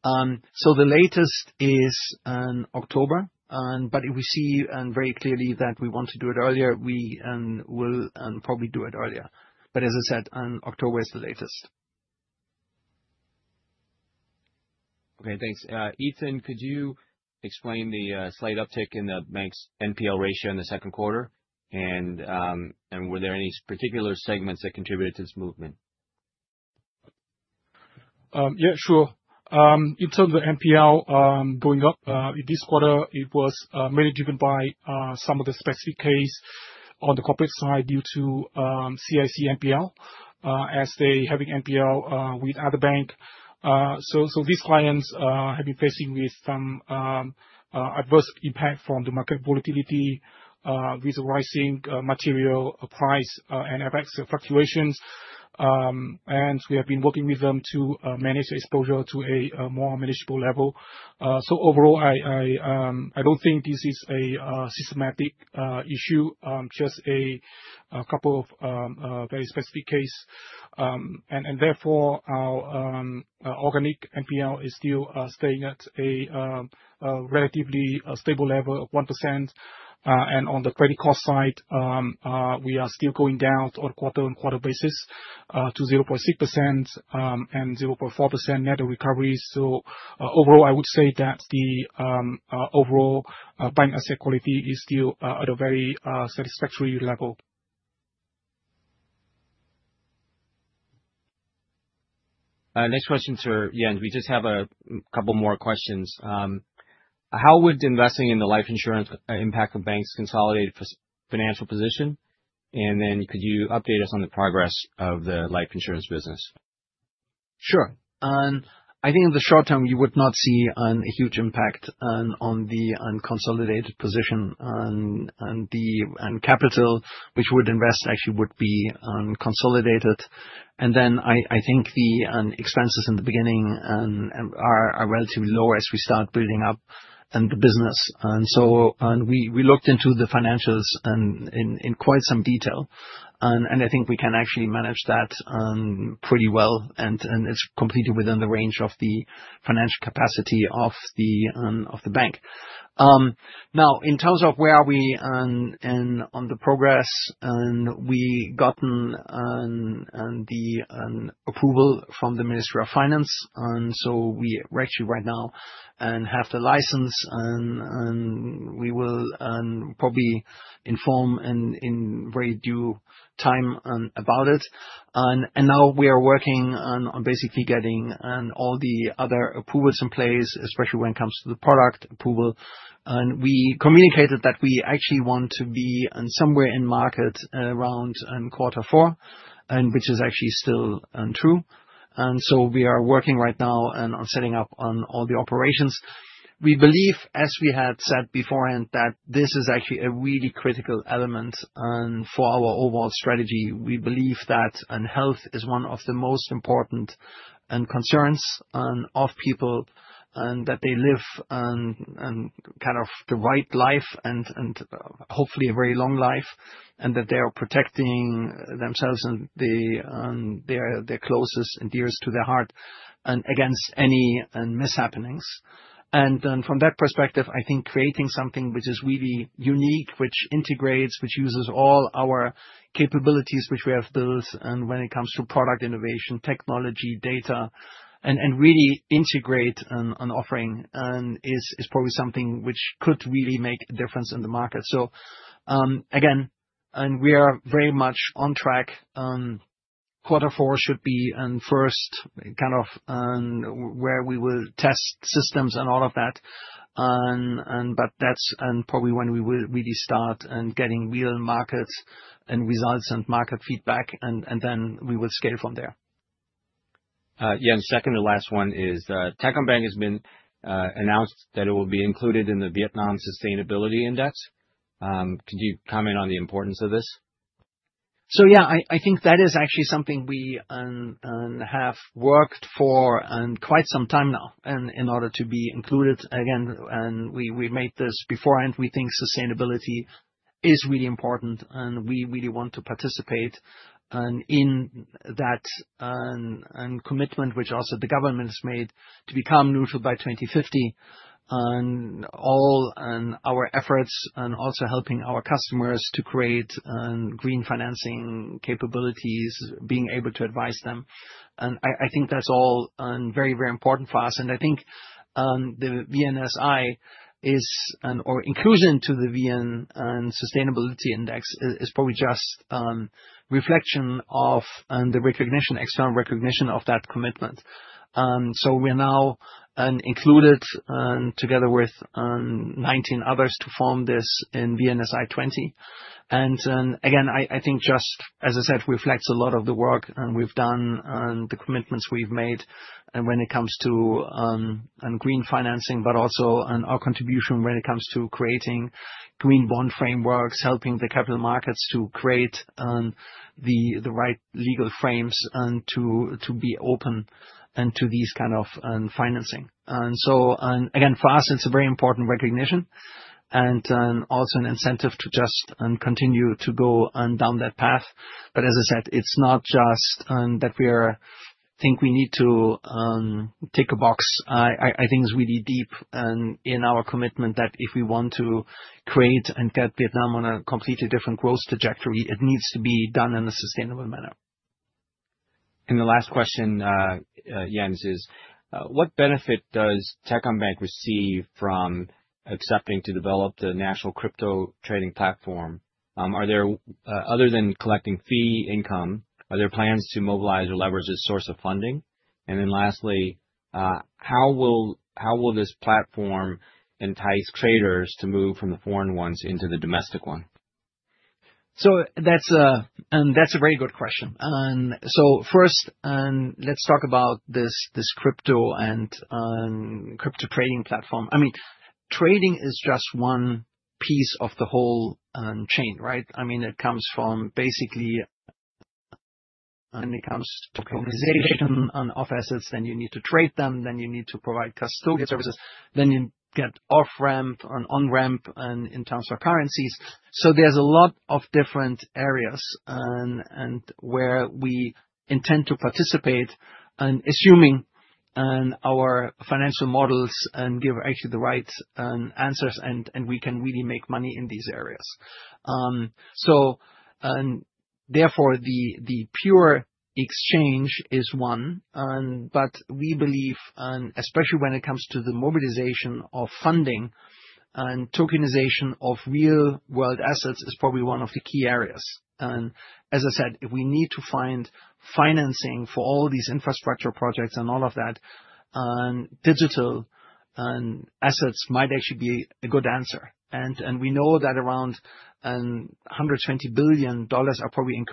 The latest is in October. If we see very clearly that we want to do it earlier, we will probably do it earlier. As I said, October is the latest. Okay. Thanks. Ethan, could you explain the slight uptick in the bank's NPL ratio in the second quarter? Were there any particular segments that contributed to this movement? Yeah, sure. In terms of NPL going up this quarter, it was mainly driven by some of the specific cases on the corporate side due to CIC NPL as they have NPL with other banks. These clients have been facing with some adverse impact from the market volatility with the rising material price and FX fluctuations. We have been working with them to manage the exposure to a more manageable level. Overall, I do not think this is a systematic issue, just a couple of very specific cases. Therefore, our organic NPL is still staying at a relatively stable level of 1%. On the credit cost side, we are still going down on a quarter-on-quarter basis to 0.6%. and 0.4% net recovery. Overall, I would say that the overall bank asset quality is still at a very satisfactory level. Next question to Jens. We just have a couple more questions. How would investing in the life insurance impact the bank's consolidated financial position? Could you update us on the progress of the life insurance business? Sure. I think in the short term, you would not see a huge impact on the consolidated position. The capital which we would invest actually would be consolidated. I think the expenses in the beginning are relatively low as we start building up the business. We looked into the financials in quite some detail. I think we can actually manage that pretty well. It is completely within the range of the financial capacity of the bank. Now, in terms of where are we on the progress, we have gotten the approval from the Ministry of Finance. We actually right now have the license. We will probably inform in very due time about it. Now we are working on basically getting all the other approvals in place, especially when it comes to the product approval. We communicated that we actually want to be somewhere in market around quarter four, which is actually still true. We are working right now on setting up all the operations. We believe, as we had said beforehand, that this is actually a really critical element for our overall strategy. We believe that health is one of the most important concerns of people that they live. Kind of the right life and hopefully a very long life, and that they are protecting themselves and their closest and dearest to their heart against any mishappenings. From that perspective, I think creating something which is really unique, which integrates, which uses all our capabilities which we have built when it comes to product innovation, technology, data, and really integrate an offering is probably something which could really make a difference in the market. Again, we are very much on track. Quarter four should be first kind of where we will test systems and all of that. That's probably when we will really start getting real market results and market feedback, and then we will scale from there. Yeah. Second to last one is Techcombank has been announced that it will be included in the Vietnam Sustainability Index. Could you comment on the importance of this? Yeah, I think that is actually something we have worked for quite some time now in order to be included. Again, we made this beforehand. We think sustainability is really important, and we really want to participate in that commitment which also the government has made to become neutral by 2050. All our efforts and also helping our customers to create green financing capabilities, being able to advise them. I think that's all very, very important for us. I think the VNSI is, or inclusion to the Vietnam Sustainability Index is probably just reflection of the external recognition of that commitment. We are now included together with 19 others to form this in VNSI 20. Again, I think just, as I said, reflects a lot of the work we've done and the commitments we've made when it comes to green financing, but also our contribution when it comes to creating green bond frameworks, helping the capital markets to create the right legal frames to be open to these kinds of financing. Again, for us, it's a very important recognition and also an incentive to just continue to go down that path. As I said, it's not just that we think we need to tick a box. I think it's really deep in our commitment that if we want to create and get Vietnam on a completely different growth trajectory, it needs to be done in a sustainable manner. The last question. Jens, what benefit does Techcombank receive from accepting to develop the national crypto trading platform? Other than collecting fee income, are there plans to mobilize or leverage this source of funding? Lastly, how will this platform entice traders to move from the foreign ones into the domestic one? That's a very good question. First, let's talk about this crypto and crypto trading platform. I mean, trading is just one piece of the whole chain, right? I mean, it comes from basically. When it comes to tokenization of assets, then you need to trade them, then you need to provide custodial services, then you get off-ramp and on-ramp in terms of currencies. There are a lot of different areas where we intend to participate and assuming our financial models actually give the right answers, and we can really make money in these areas. Therefore, the pure exchange is one. We believe, especially when it comes to the mobilization of funding and tokenization of real-world assets, it is probably one of the key areas. As I said, if we need to find financing for all these infrastructure projects and all of that, digital assets might actually be a good answer. We know that around $120 billion are probably in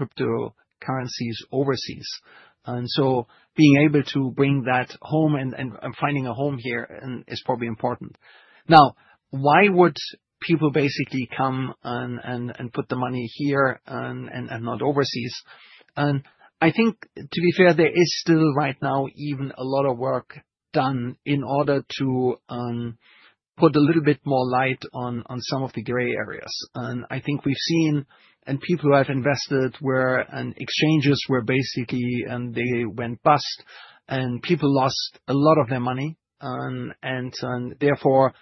cryptocurrencies overseas, and being able to bring that home and finding a home here is probably important. Now, why would people basically come and put the money here and not overseas? I think, to be fair, there is still right now even a lot of work done in order to put a little bit more light on some of the gray areas. I think we have seen people who have invested where exchanges were basically, and they went bust, and people lost a lot of their money. Therefore,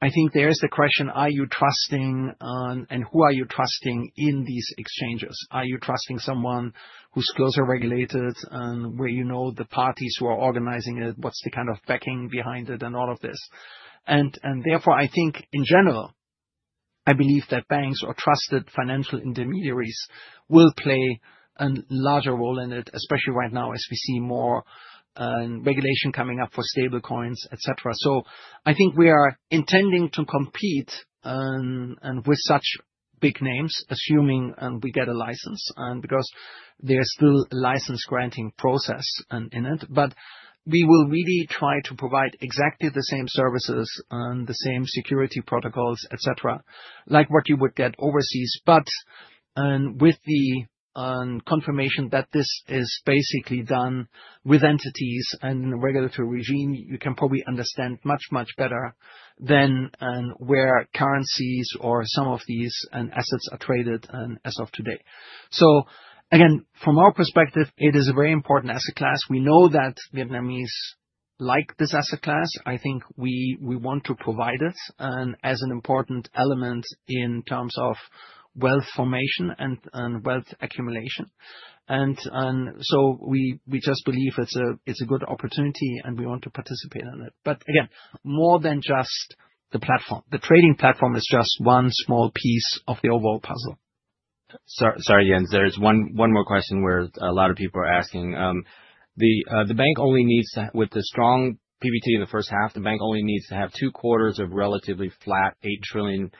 I think there is the question, are you trusting and who are you trusting in these exchanges? Are you trusting someone who is closely regulated and where you know the parties who are organizing it? What is the kind of backing behind it and all of this? Therefore, I think in general, I believe that banks or trusted financial intermediaries will play a larger role in it, especially right now as we see more regulation coming up for stablecoins, etc. I think we are intending to compete with such big names, assuming we get a license, because there is still a license-granting process in it. We will really try to provide exactly the same services and the same security protocols, etc., like what you would get overseas, but with the confirmation that this is basically done with entities and in a regulatory regime you can probably understand much, much better than where currencies or some of these assets are traded as of today. Again, from our perspective, it is a very important asset class. We know that Vietnamese like this asset class. I think we want to provide it as an important element in terms of wealth formation and wealth accumulation. We just believe it is a good opportunity, and we want to participate in it. Again, more than just the platform. The trading platform is just one small piece of the overall puzzle. Sorry, Jens. There is one more question where a lot of people are asking. The bank only needs to, with the strong PBT in the first half, the bank only needs to have two quarters of relatively flat 8 trillion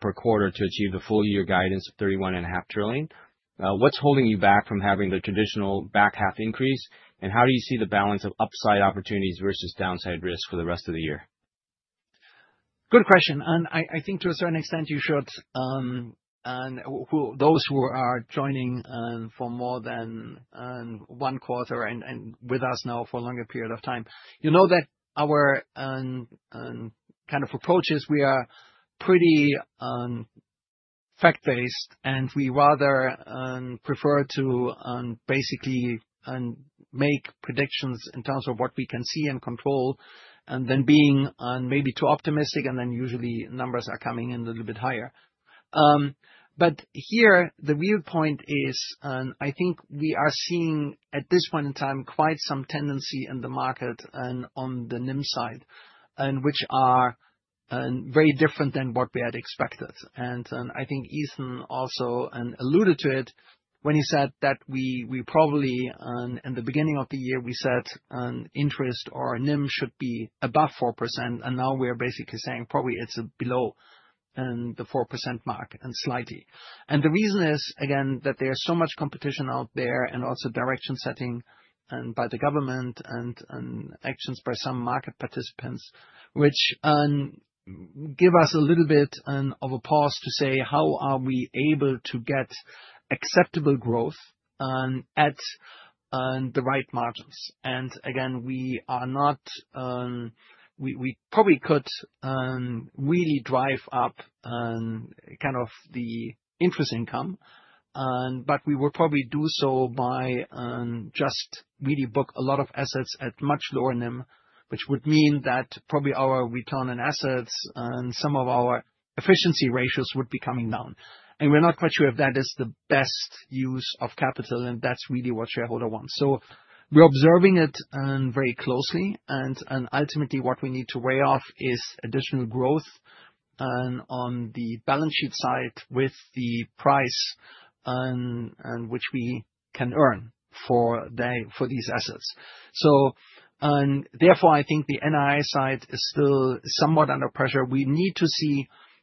per quarter to achieve the full-year guidance of 31.5 trillion. What's holding you back from having the traditional back half increase? And how do you see the balance of upside opportunities versus downside risk for the rest of the year? Good question. I think to a certain extent, you should. Those who are joining for more than one quarter and with us now for a longer period of time, you know that our kind of approach is we are pretty fact-based, and we rather prefer to basically make predictions in terms of what we can see and control, and then being maybe too optimistic, and then usually numbers are coming in a little bit higher. Here, the real point is, I think we are seeing at this point in time quite some tendency in the market on the NIM side, which are very different than what we had expected. I think Ethan also alluded to it when he said that we probably, in the beginning of the year, we said interest or NIM should be above 4%. Now we are basically saying probably it's below the 4% mark and slightly. The reason is, again, that there is so much competition out there and also direction-setting by the government and actions by some market participants, which give us a little bit of a pause to say, how are we able to get acceptable growth at the right margins? And again, we are not. We probably could really drive up kind of the interest income, but we would probably do so by just really book a lot of assets at much lower NIM, which would mean that probably our return on assets and some of our efficiency ratios would be coming down. We're not quite sure if that is the best use of capital, and that's really what shareholders want. We're observing it very closely. Ultimately, what we need to weigh off is additional growth on the balance sheet side with the price which we can earn for these assets. Therefore, I think the NIM side is still somewhat under pressure. We need to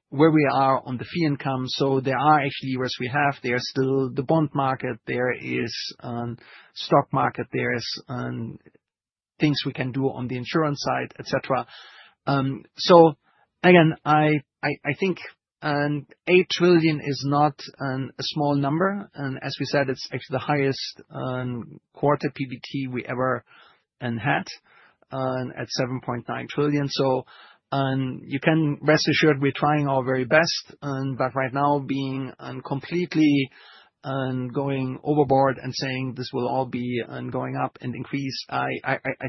see where we are on the fee income. There are actually what we have. There's still the bond market. There is stock market. There's things we can do on the insurance side, etc. Again, I think 8 trillion is not a small number. As we said, it's actually the highest quarter PBT we ever had at 7.9 trillion. You can rest assured we're trying our very best. Right now, being completely going overboard and saying this will all be going up and increased, I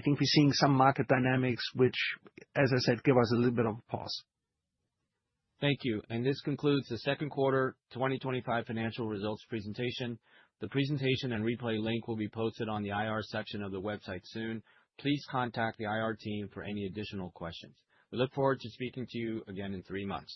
think we're seeing some market dynamics which, as I said, give us a little bit of a pause. Thank you. This concludes the second quarter 2025 financial results presentation. The presentation and replay link will be posted on the IR section of the website soon. Please contact the IR team for any additional questions. We look forward to speaking to you again in three months.